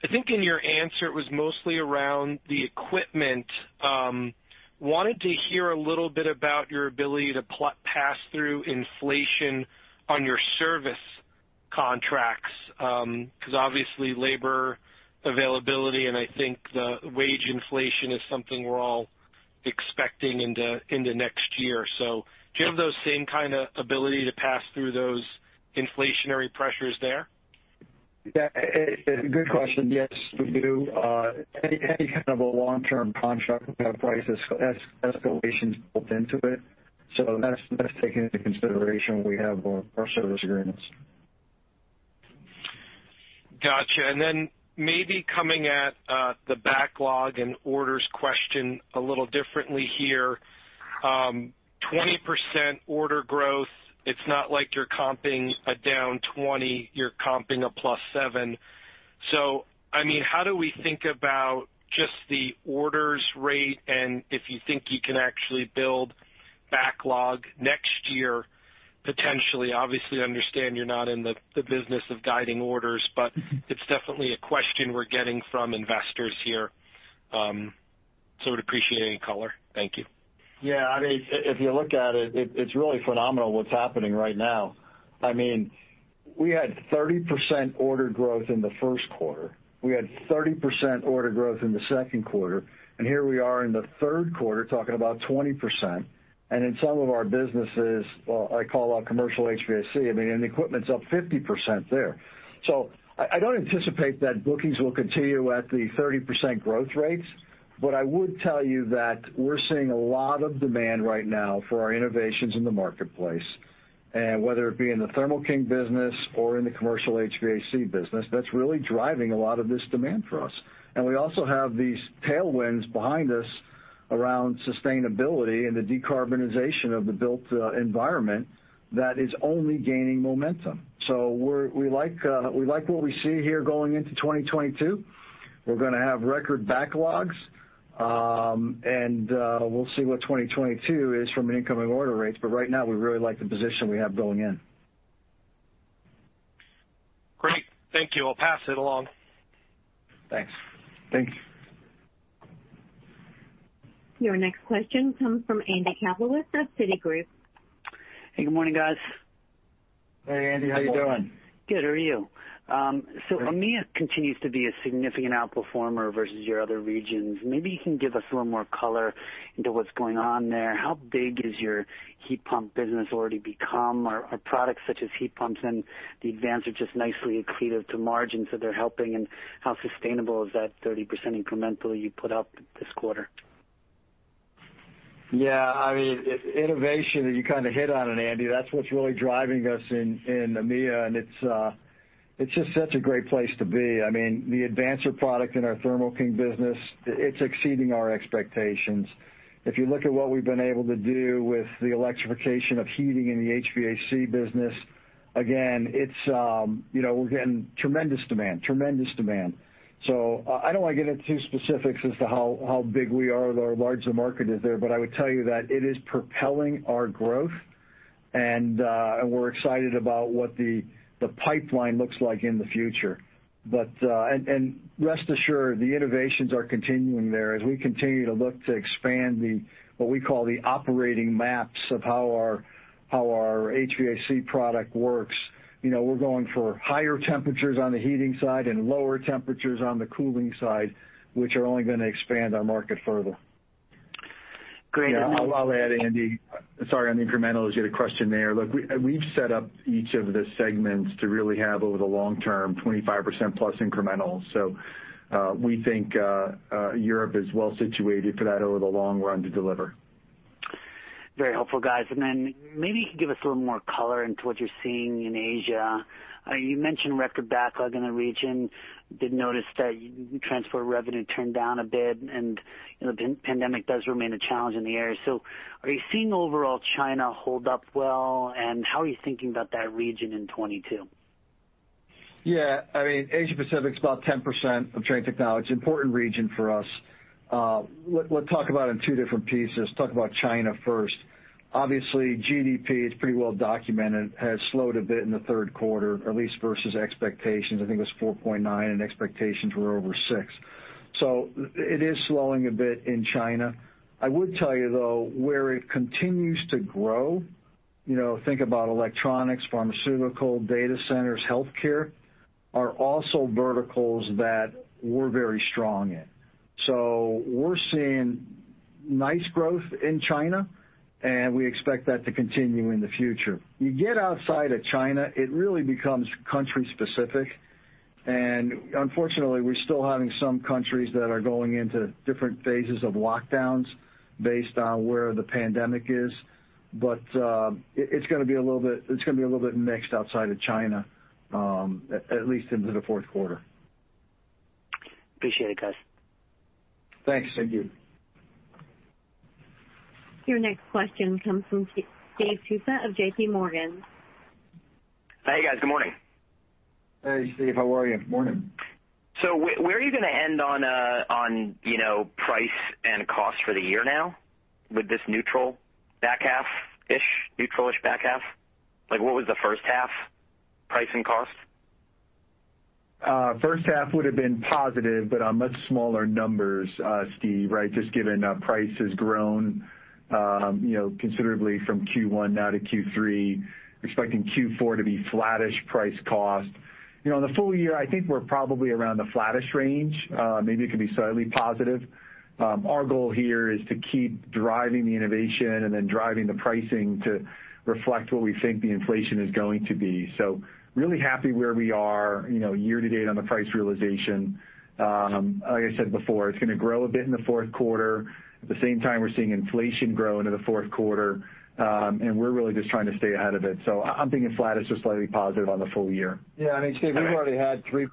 I think in your answer, it was mostly around the equipment. Wanted to hear a little bit about your ability to pass-through inflation on your service contracts, 'cause obviously labor availability and I think the wage inflation is something we're all expecting in the next year. Do you have those same kinda ability to pass through those inflationary pressures there? Yeah. A good question. Yes, we do. Any kind of a long-term contract, we have price escalations built into it. That's taken into consideration when we have our service agreements. Gotcha. Maybe coming at the backlog and orders question a little differently here. 20% order growth, it's not like you're comping a down 20, you're comping a +7. I mean, how do we think about just the orders rate and if you think you can actually build backlog next year, potentially? Obviously, I understand you're not in the business of guiding orders, but it's definitely a question we're getting from investors here. I would appreciate any color. Thank you. Yeah. I mean, if you look at it's really phenomenal what's happening right now. I mean, we had 30% order growth in the first quarter. We had 30% order growth in the second quarter, and here we are in the third quarter talking about 20%. In some of our businesses, well, I call our commercial HVAC, I mean, and the equipment's up 50% there. I don't anticipate that bookings will continue at the 30% growth rates, but I would tell you that we're seeing a lot of demand right now for our innovations in the marketplace. Whether it be in the Thermo King business or in the commercial HVAC business, that's really driving a lot of this demand for us. We also have these tailwinds behind us around sustainability and the decarbonization of the built environment that is only gaining momentum. We like what we see here going into 2022. We're gonna have record backlogs, and we'll see what 2022 is from an incoming order rates, but right now we really like the position we have going in. Great. Thank you. I'll pass it along. Thanks. Thank you. Your next question comes from Andy Kaplowitz of Citigroup. Hey, good morning, guys. Hey, Andy. How you doing? Good morning. Good. How are you? EMEA continues to be a significant outperformer versus your other regions. Maybe you can give us a little more color into what's going on there. How big has your heat pump business already become? Are products such as heat pumps and the Advancer just nicely accretive to margins, so they're helping? How sustainable is that 30% incremental you put up this quarter? Yeah. I mean, innovation, you kinda hit on it, Andy. That's what's really driving us in EMEA, and it's just such a great place to be. I mean, the Advancer product in our Thermo King business, it's exceeding our expectations. If you look at what we've been able to do with the electrification of heating in the HVAC business, again, it's, you know, we're getting tremendous demand. So I don't wanna get into specifics as to how big we are or how large the market is there, but I would tell you that it is propelling our growth and we're excited about what the pipeline looks like in the future. Rest assured, the innovations are continuing there as we continue to look to expand the, what we call the operating maps of how our HVAC product works. You know, we're going for higher temperatures on the heating side and lower temperatures on the cooling side, which are only gonna expand our market further. Great. Yeah. I'll add, Andy. Sorry, on the incrementals, you had a question there. Look, we've set up each of the segments to really have over the long term 25% plus incrementals. We think Europe is well situated for that over the long run to deliver. Very helpful, guys. Then maybe you could give us a little more color into what you're seeing in Asia. You mentioned record backlog in the region. I did notice that transport revenue turned down a bit and, you know, the pandemic does remain a challenge in the area. Are you seeing overall China hold up well, and how are you thinking about that region in 2022? Yeah. I mean, Asia Pacific's about 10% of Trane Technologies, important region for us. Let's talk about in two different pieces. Talk about China first. Obviously, GDP is pretty well documented, has slowed a bit in the third quarter, at least versus expectations. I think it was 4.9, and expectations were over 6. So it is slowing a bit in China. I would tell you, though, where it continues to grow. You know, think about electronics, pharmaceutical, data centers, healthcare are also verticals that we're very strong in. So we're seeing nice growth in China, and we expect that to continue in the future. You get outside of China, it really becomes country specific, and unfortunately, we're still having some countries that are going into different phases of lockdowns based on where the pandemic is. It's gonna be a little bit mixed outside of China, at least into the fourth quarter. Appreciate it, guys. Thanks, thank you. Your next question comes from Steve Tusa of JP Morgan. Hey, guys. Good morning. Hey, Steve. How are you? Morning. Where are you gonna end on, you know, price and cost for the year now with this neutral back half-ish, neutral-ish back half? Like, what was the first half price and cost? First half would have been positive but on much smaller numbers, Steve, right? Just given, price has grown, you know, considerably from Q1 now to Q3, expecting Q4 to be flattish price cost. You know, on the full year, I think we're probably around the flattish range. Maybe it could be slightly positive. Our goal here is to keep driving the innovation and then driving the pricing to reflect what we think the inflation is going to be. Really happy where we are, you know, year to date on the price realization. Like I said before, it's gonna grow a bit in the fourth quarter. At the same time, we're seeing inflation grow into the fourth quarter, and we're really just trying to stay ahead of it. I'm thinking flattish to slightly positive on the full year. Yeah. I mean, Steve, we've already had three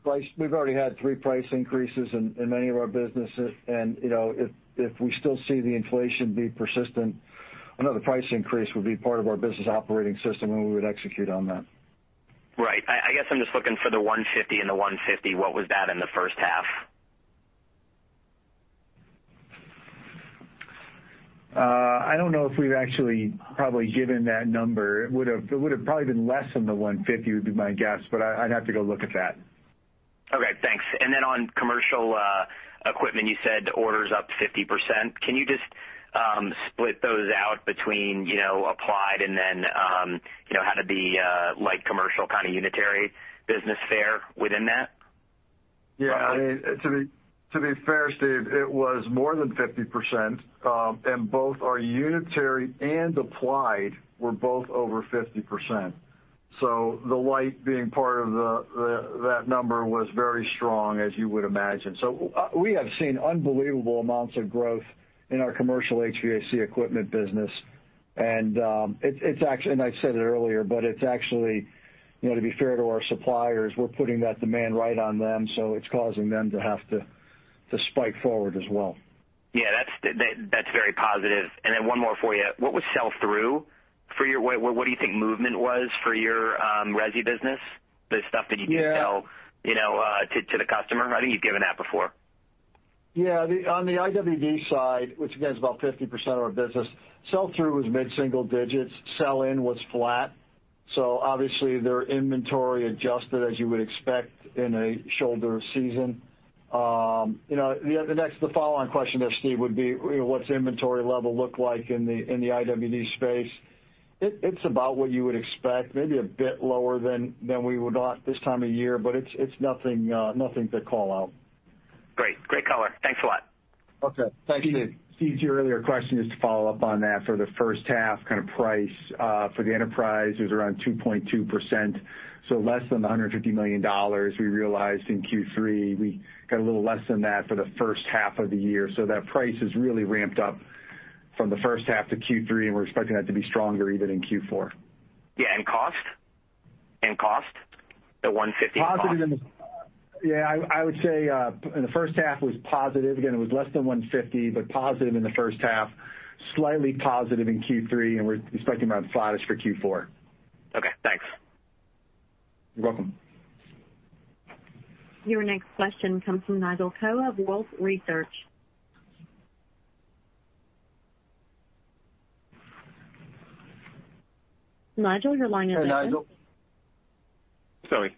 price increases in many of our businesses and, you know, if we still see the inflation be persistent, another price increase would be part of our business operating system, and we would execute on that. Right. I guess I'm just looking for the $150. In the $150, what was that in the first half? I don't know if we've actually probably given that number. It would have probably been less than 150 would be my guess, but I'd have to go look at that. Okay, thanks. On commercial equipment, you said orders up 50%. Can you just split those out between, you know, applied and then, you know, how did the light commercial kind of unitary business fare within that? Yeah. I mean, to be fair, Steve, it was more than 50%, and both our unitary and applied were both over 50%. The light being part of that number was very strong as you would imagine. We have seen unbelievable amounts of growth in our commercial HVAC equipment business. It's actually, and I said it earlier, but it's actually, you know, to be fair to our suppliers, we're putting that demand right on them, so it's causing them to have to spike forward as well. Yeah, that's very positive. Then one more for you. What do you think movement was for your resi business, the stuff that you can sell- Yeah you know, to the customer? I think you've given that before. On the IWD side, which again is about 50% of our business, sell-through was mid-single digits. Sell-in was flat, so obviously their inventory adjusted as you would expect in a shoulder season. You know, the next follow-on question there, Steve, would be, you know, what's inventory level look like in the IWD space. It's about what you would expect, maybe a bit lower than we would want this time of year, but it's nothing to call out. Great. Great color. Thanks a lot. Okay. Thanks, Steve. Steve, to your earlier question, just to follow up on that for the first half kind of price for the enterprise, it was around 2.2%, so less than the $150 million we realized in Q3. We got a little less than that for the first half of the year. That price has really ramped up from the first half to Q3, and we're expecting that to be stronger even in Q4. Yeah. Cost? The $150 in cost. Yeah, I would say in the first half was positive. Again, it was less than $150, but positive in the first half, slightly positive in Q3, and we're expecting about flattish for Q4. Okay, thanks. You're welcome. Your next question comes from Nigel Coe of Wolfe Research. Nigel, your line is open. Hey, Nigel. Sorry,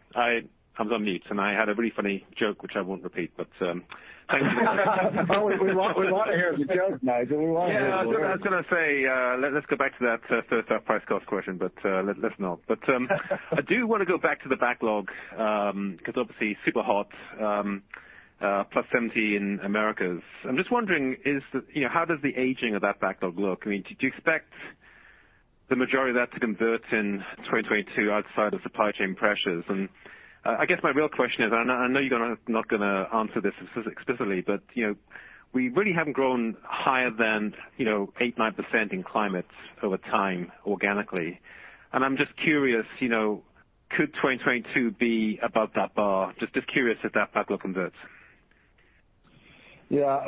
I was on mute, and I had a very funny joke which I won't repeat, but, thank you. We want, we wanna hear the joke, Nigel. We wanna hear the joke. Yeah. I was gonna say, let's go back to that price cost question, but let's not. I do wanna go back to the backlog, 'cause obviously super hot, +70 in Americas. I'm just wondering, you know, how does the aging of that backlog look? I mean, do you expect the majority of that to convert in 2022 outside of supply chain pressures? I guess my real question is, and I know you're not gonna answer this explicitly, but, you know, we really haven't grown higher than, you know, 8-9% in climates over time organically. I'm just curious, you know, could 2022 be above that bar? Just curious if that backlog converts. Yeah.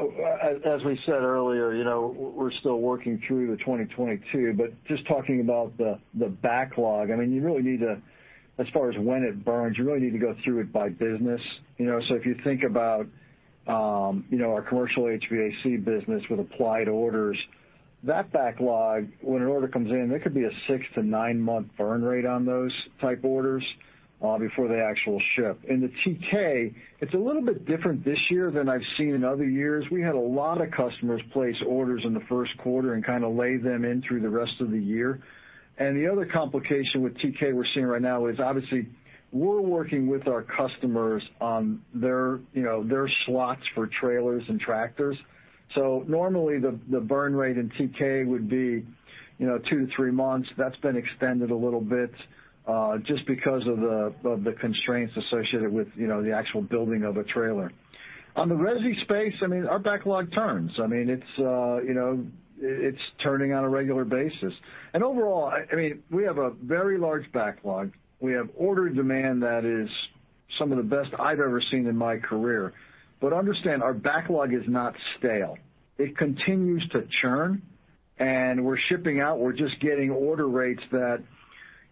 As we said earlier. You know, we're still working through the 2022, but just talking about the backlog, I mean, you really need to. As far as when it burns, you really need to go through it by business. You know? If you think about, you know, our commercial HVAC business with applied orders, that backlog, when an order comes in, there could be a 6- to 9-month burn rate on those type orders, before they actually ship. In the TK, it's a little bit different this year than I've seen in other years. We had a lot of customers place orders in the first quarter and kind of lay them in through the rest of the year. The other complication with TK we're seeing right now is obviously we're working with our customers on their, you know, their slots for trailers and tractors. So normally the burn rate in TK would be, you know, 2-3 months. That's been extended a little bit, just because of the constraints associated with, you know, the actual building of a trailer. On the resi space, I mean, our backlog turns. I mean, it's turning on a regular basis. Overall, I mean, we have a very large backlog. We have order demand that is some of the best I've ever seen in my career. But understand, our backlog is not stale. It continues to churn, and we're shipping out. We're just getting order rates that,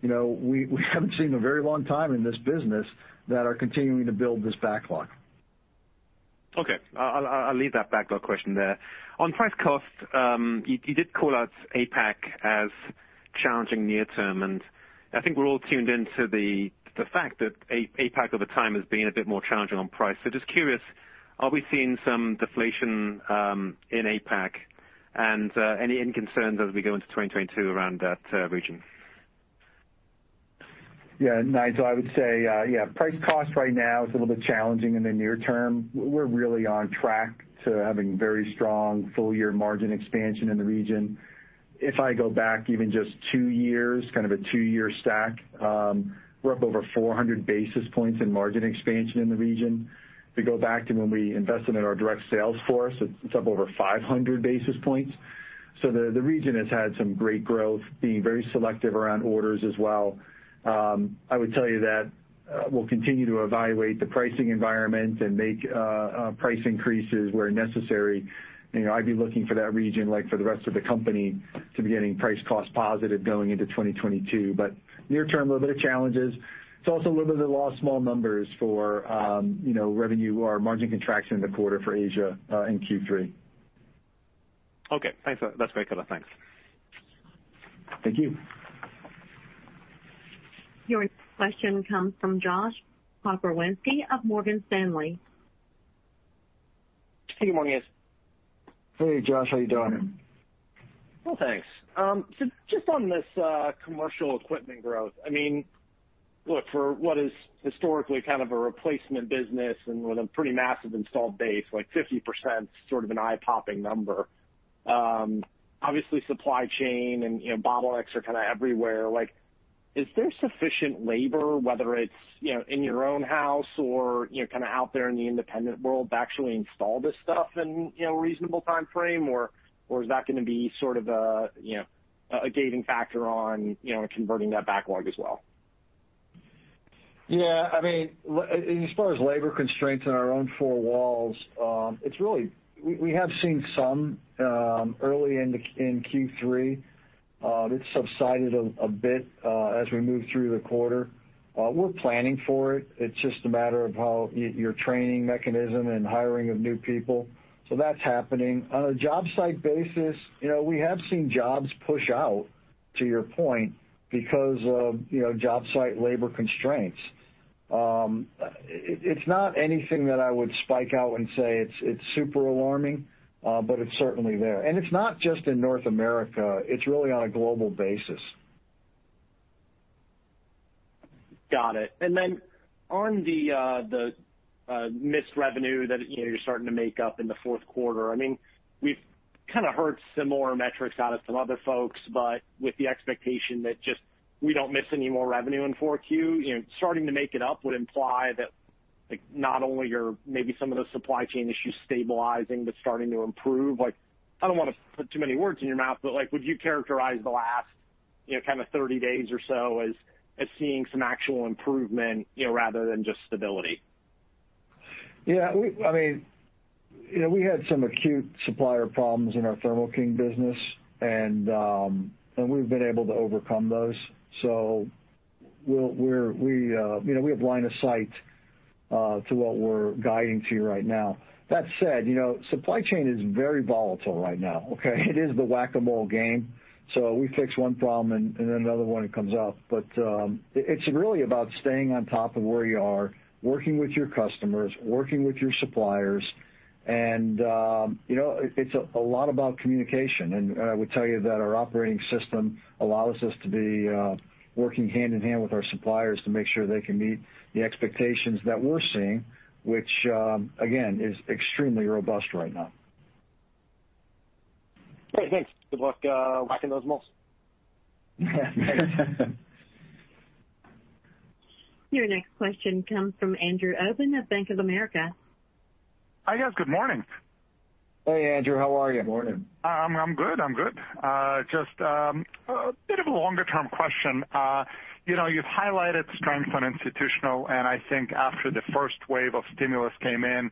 you know, we haven't seen in a very long time in this business that are continuing to build this backlog. Okay. I'll leave that backlog question there. On price cost, you did call out APAC as challenging near term, and I think we're all tuned into the fact that APAC at the time has been a bit more challenging on price. Just curious, are we seeing some deflation in APAC and any concerns as we go into 2022 around that region? Yeah, Nigel, I would say, yeah, price cost right now is a little bit challenging in the near term. We're really on track to having very strong full year margin expansion in the region. If I go back even just 2 years, kind of a 2-year stack, we're up over 400 basis points in margin expansion in the region. If you go back to when we invested in our direct sales force, it's up over 500 basis points. The region has had some great growth, being very selective around orders as well. I would tell you that, we'll continue to evaluate the pricing environment and make price increases where necessary. You know, I'd be looking for that region, like for the rest of the company, to be getting price cost positive going into 2022. Near term, a little bit of challenges. It's also a little bit of the law of small numbers for, you know, revenue or margin contraction in the quarter for Asia, in Q3. Okay. Thanks. That's great, Kuehn. Thanks. Thank you. Your next question comes from Josh Pokrzywinski of Morgan Stanley. Hey, good morning, guys. Hey, Josh. How you doing? Well, thanks. So just on this, commercial equipment growth, I mean, look, for what is historically kind of a replacement business and with a pretty massive installed base, like 50% is sort of an eye-popping number. Obviously, supply chain and, you know, bottlenecks are kind of everywhere. Like, is there sufficient labor, whether it's, you know, in your own house or, you know, kind of out there in the independent world to actually install this stuff in, you know, a reasonable timeframe? Or is that gonna be sort of a, you know, a gating factor on, you know, converting that backlog as well? Yeah. I mean, as far as labor constraints in our own four walls, it's really, we have seen some early in Q3. It's subsided a bit as we moved through the quarter. We're planning for it. It's just a matter of how your training mechanism and hiring of new people. That's happening. On a job site basis, you know, we have seen jobs push out, to your point, because of, you know, job site labor constraints. It's not anything that I would spike out and say it's super alarming, but it's certainly there. It's not just in North America. It's really on a global basis. Got it. Then on the missed revenue that, you know, you're starting to make up in the fourth quarter, I mean, we've kind of heard similar metrics out of some other folks, but with the expectation that just we don't miss any more revenue in 4Q. You know, starting to make it up would imply that, like, not only are maybe some of those supply chain issues stabilizing, but starting to improve. Like, I don't wanna put too many words in your mouth, but, like, would you characterize the last, you know, kind of 30 days or so as seeing some actual improvement, you know, rather than just stability? Yeah. I mean, you know, we had some acute supplier problems in our Thermo King business, and we've been able to overcome those. We have line of sight to what we're guiding to right now. That said, you know, supply chain is very volatile right now, okay? It is the whack-a-mole game. We fix one problem and then another one comes up. It's really about staying on top of where you are, working with your customers, working with your suppliers, and you know, it's a lot about communication. I would tell you that our operating system allows us to be working hand in hand with our suppliers to make sure they can meet the expectations that we're seeing, which again, is extremely robust right now. Great. Thanks. Good luck, whacking those moles. Your next question comes from Andrew Obin of Bank of America. Hi, guys. Good morning. Hey, Andrew. How are you? Morning. I'm good. Just a bit of a longer-term question. You know, you've highlighted strength on institutional, and I think after the first wave of stimulus came in.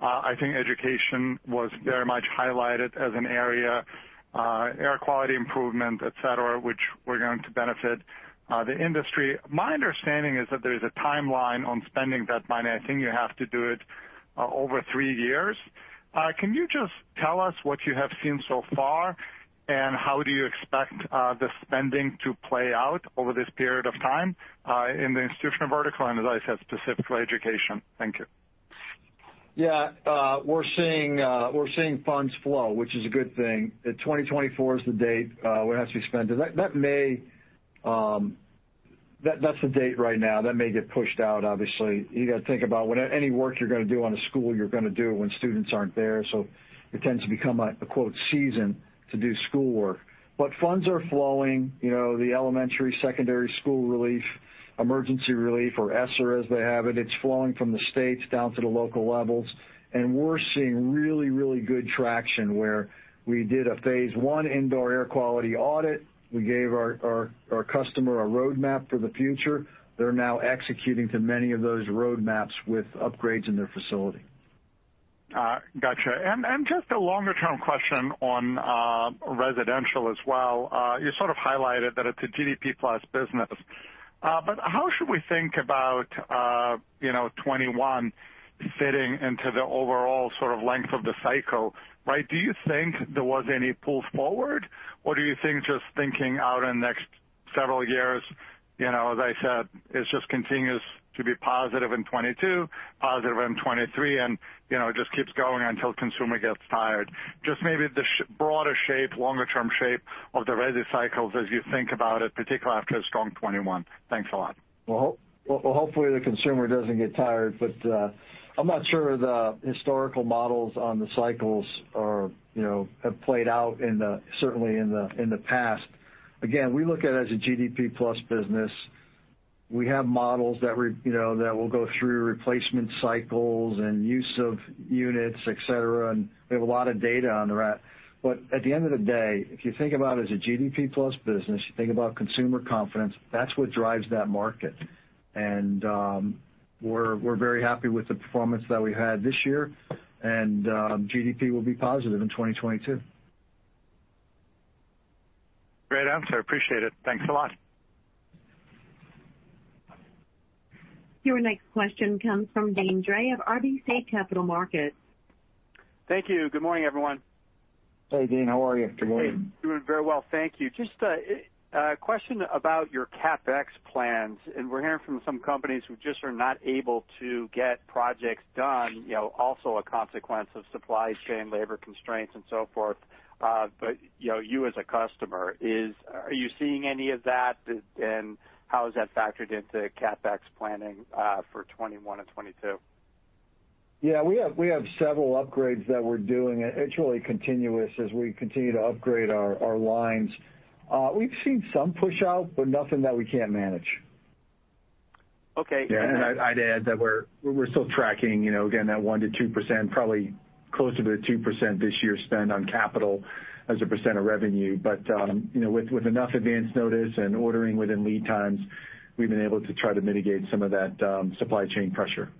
I think education was very much highlighted as an area, air quality improvement, et cetera, which we're going to benefit the industry. My understanding is that there is a timeline on spending that money. I think you have to do it over three years. Can you just tell us what you have seen so far and how do you expect the spending to play out over this period of time in the institutional vertical, and as I said, specifically education? Thank you. Yeah. We're seeing funds flow, which is a good thing. 2024 is the date it has to be spent. That may get pushed out, obviously. You gotta think about when any work you're gonna do on a school, you're gonna do when students aren't there, so it tends to become a quote, "season" to do schoolwork. Funds are flowing. You know, the Elementary and Secondary School Emergency Relief Fund, or ESSER as they have it's flowing from the states down to the local levels. We're seeing really good traction where we did a phase one indoor air quality audit. We gave our customer a roadmap for the future. They're now executing to many of those roadmaps with upgrades in their facility. Gotcha. Just a longer term question on residential as well. You sort of highlighted that it's a GDP plus business. How should we think about you know 2021 fitting into the overall sort of length of the cycle? Right? Do you think there was any pull forward or do you think just thinking out in the next several years you know as I said it just continues to be positive in 2022 positive in 2023 and you know it just keeps going until consumer gets tired. Just maybe the broader shape longer term shape of the resi cycles as you think about it particularly after a strong 2021. Thanks a lot. Hopefully the consumer doesn't get tired, but I'm not sure the historical models on the cycles are, you know, have played out certainly in the past. Again, we look at it as a GDP plus business. We have models that you know that will go through replacement cycles and use of units, et cetera, and we have a lot of data on that. But at the end of the day, if you think about it as a GDP plus business, you think about consumer confidence, that's what drives that market. We're very happy with the performance that we had this year, and GDP will be positive in 2022. Great answer. Appreciate it. Thanks a lot. Your next question comes from Deane Dray of RBC Capital Markets. Thank you. Good morning, everyone. Hey, Deane, how are you? Good morning. Hey. Doing very well, thank you. Just a question about your CapEx plans, and we're hearing from some companies who just are not able to get projects done, you know, also a consequence of supply chain labor constraints and so forth. But you know, you as a customer, are you seeing any of that and how is that factored into CapEx planning for 2021 and 2022? Yeah. We have several upgrades that we're doing. It's really continuous as we continue to upgrade our lines. We've seen some pushout, but nothing that we can't manage. Okay. Yeah. I'd add that we're still tracking, you know, again, that 1%-2%, probably closer to the 2% this year spend on capital as a percent of revenue. You know, with enough advance notice and ordering within lead times, we've been able to try to mitigate some of that supply chain pressure.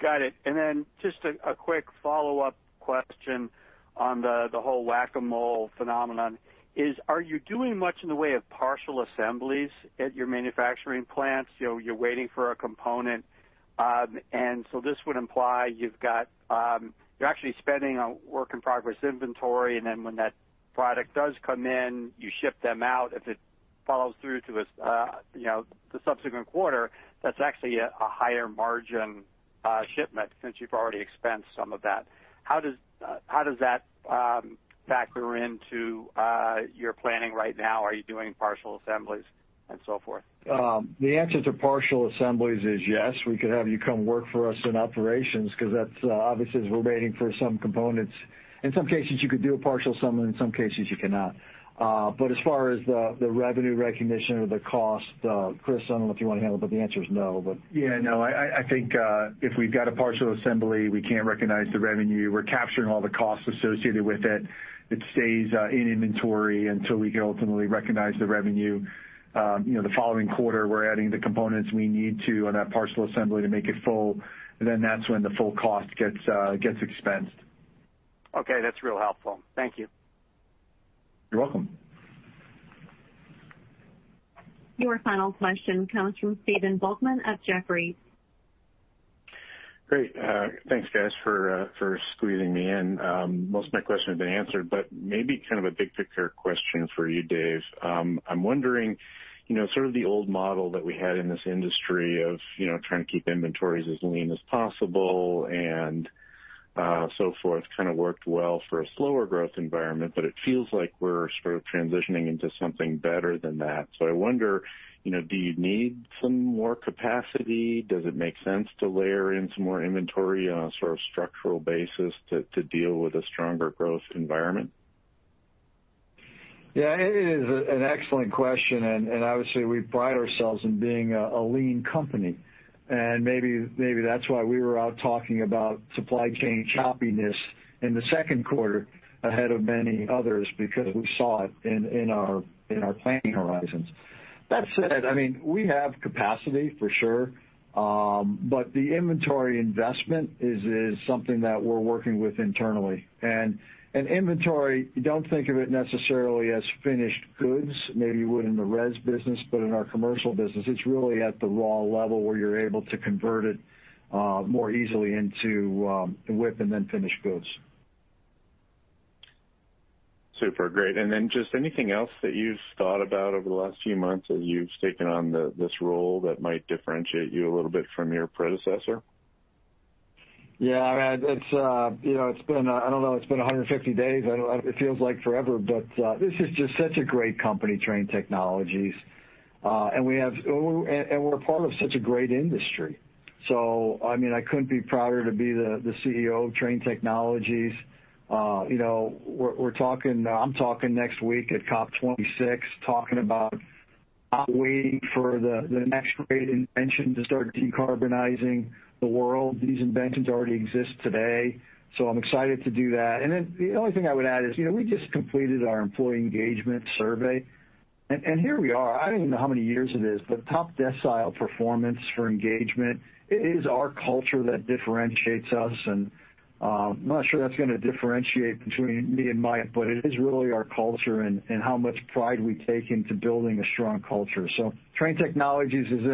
Got it. Just a quick follow-up question on the whole whack-a-mole phenomenon is, are you doing much in the way of partial assemblies at your manufacturing plants? You know, you're waiting for a component, and so this would imply you're actually spending on work in progress inventory, and then when that product does come in, you ship them out. If it follows through to a you know, the subsequent quarter, that's actually a higher margin shipment since you've already expensed some of that. How does that factor into your planning right now? Are you doing partial assemblies and so forth? The answer to partial assemblies is yes. We could have you come work for us in operations 'cause that's obviously as we're waiting for some components, in some cases you could do a partial assembly, in some cases you cannot. As far as the revenue recognition or the cost, Chris, I don't know if you wanna handle it, but the answer is no. Yeah, no. I think if we've got a partial assembly, we can't recognize the revenue. We're capturing all the costs associated with it. It stays in inventory until we can ultimately recognize the revenue. You know, the following quarter we're adding the components we need to on that partial assembly to make it full, and then that's when the full cost gets expensed. Okay, that's real helpful. Thank you. You're welcome. Your final question comes from Stephen Volkmann at Jefferies. Great. Thanks guys for squeezing me in. Most of my question has been answered, but maybe kind of a big picture question for you, Dave. I'm wondering, you know, sort of the old model that we had in this industry of, you know, trying to keep inventories as lean as possible and so forth, kind of worked well for a slower growth environment, but it feels like we're sort of transitioning into something better than that. I wonder, you know, do you need some more capacity? Does it make sense to layer in some more inventory on a sort of structural basis to deal with a stronger growth environment? Yeah, it is an excellent question, and obviously we pride ourselves in being a lean company. Maybe that's why we were out talking about supply chain choppiness in the second quarter ahead of many others, because we saw it in our planning horizons. That said, I mean, we have capacity for sure, but the inventory investment is something that we're working with internally. Inventory, don't think of it necessarily as finished goods. Maybe you would in the res business, but in our commercial business, it's really at the raw level where you're able to convert it more easily into WIP and then finished goods. Super great. Just anything else that you've thought about over the last few months as you've taken on this role that might differentiate you a little bit from your predecessor? Yeah. It's, you know, it's been, I don't know, it's been 150 days, and it feels like forever, but this is just such a great company, Trane Technologies. We're part of such a great industry. I mean, I couldn't be prouder to be the CEO of Trane Technologies. You know, I'm talking next week at COP 26, talking about not waiting for the next great invention to start decarbonizing the world. These inventions already exist today, so I'm excited to do that. The only thing I would add is, you know, we just completed our employee engagement survey, and here we are. I don't even know how many years it is, but top decile performance for engagement. It is our culture that differentiates us, and I'm not sure that's gonna differentiate between me and Mike, but it is really our culture and how much pride we take into building a strong culture. Trane Technologies is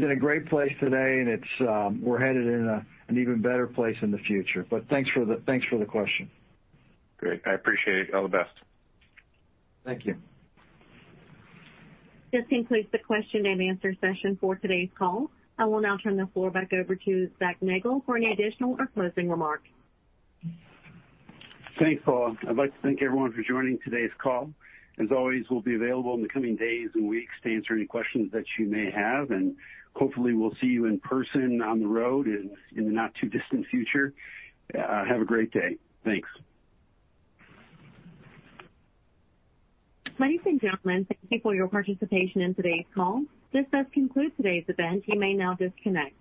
in a great place today, and we're headed in an even better place in the future. Thanks for the question. Great. I appreciate it. All the best. Thank you. This concludes the question and answer session for today's call. I will now turn the floor back over to Zac Nagle for any additional or closing remarks. Thanks, all. I'd like to thank everyone for joining today's call. As always, we'll be available in the coming days and weeks to answer any questions that you may have, and hopefully we'll see you in person on the road in the not too distant future. Have a great day. Thanks. Ladies and gentlemen, thank you for your participation in today's call. This does conclude today's event. You may now disconnect.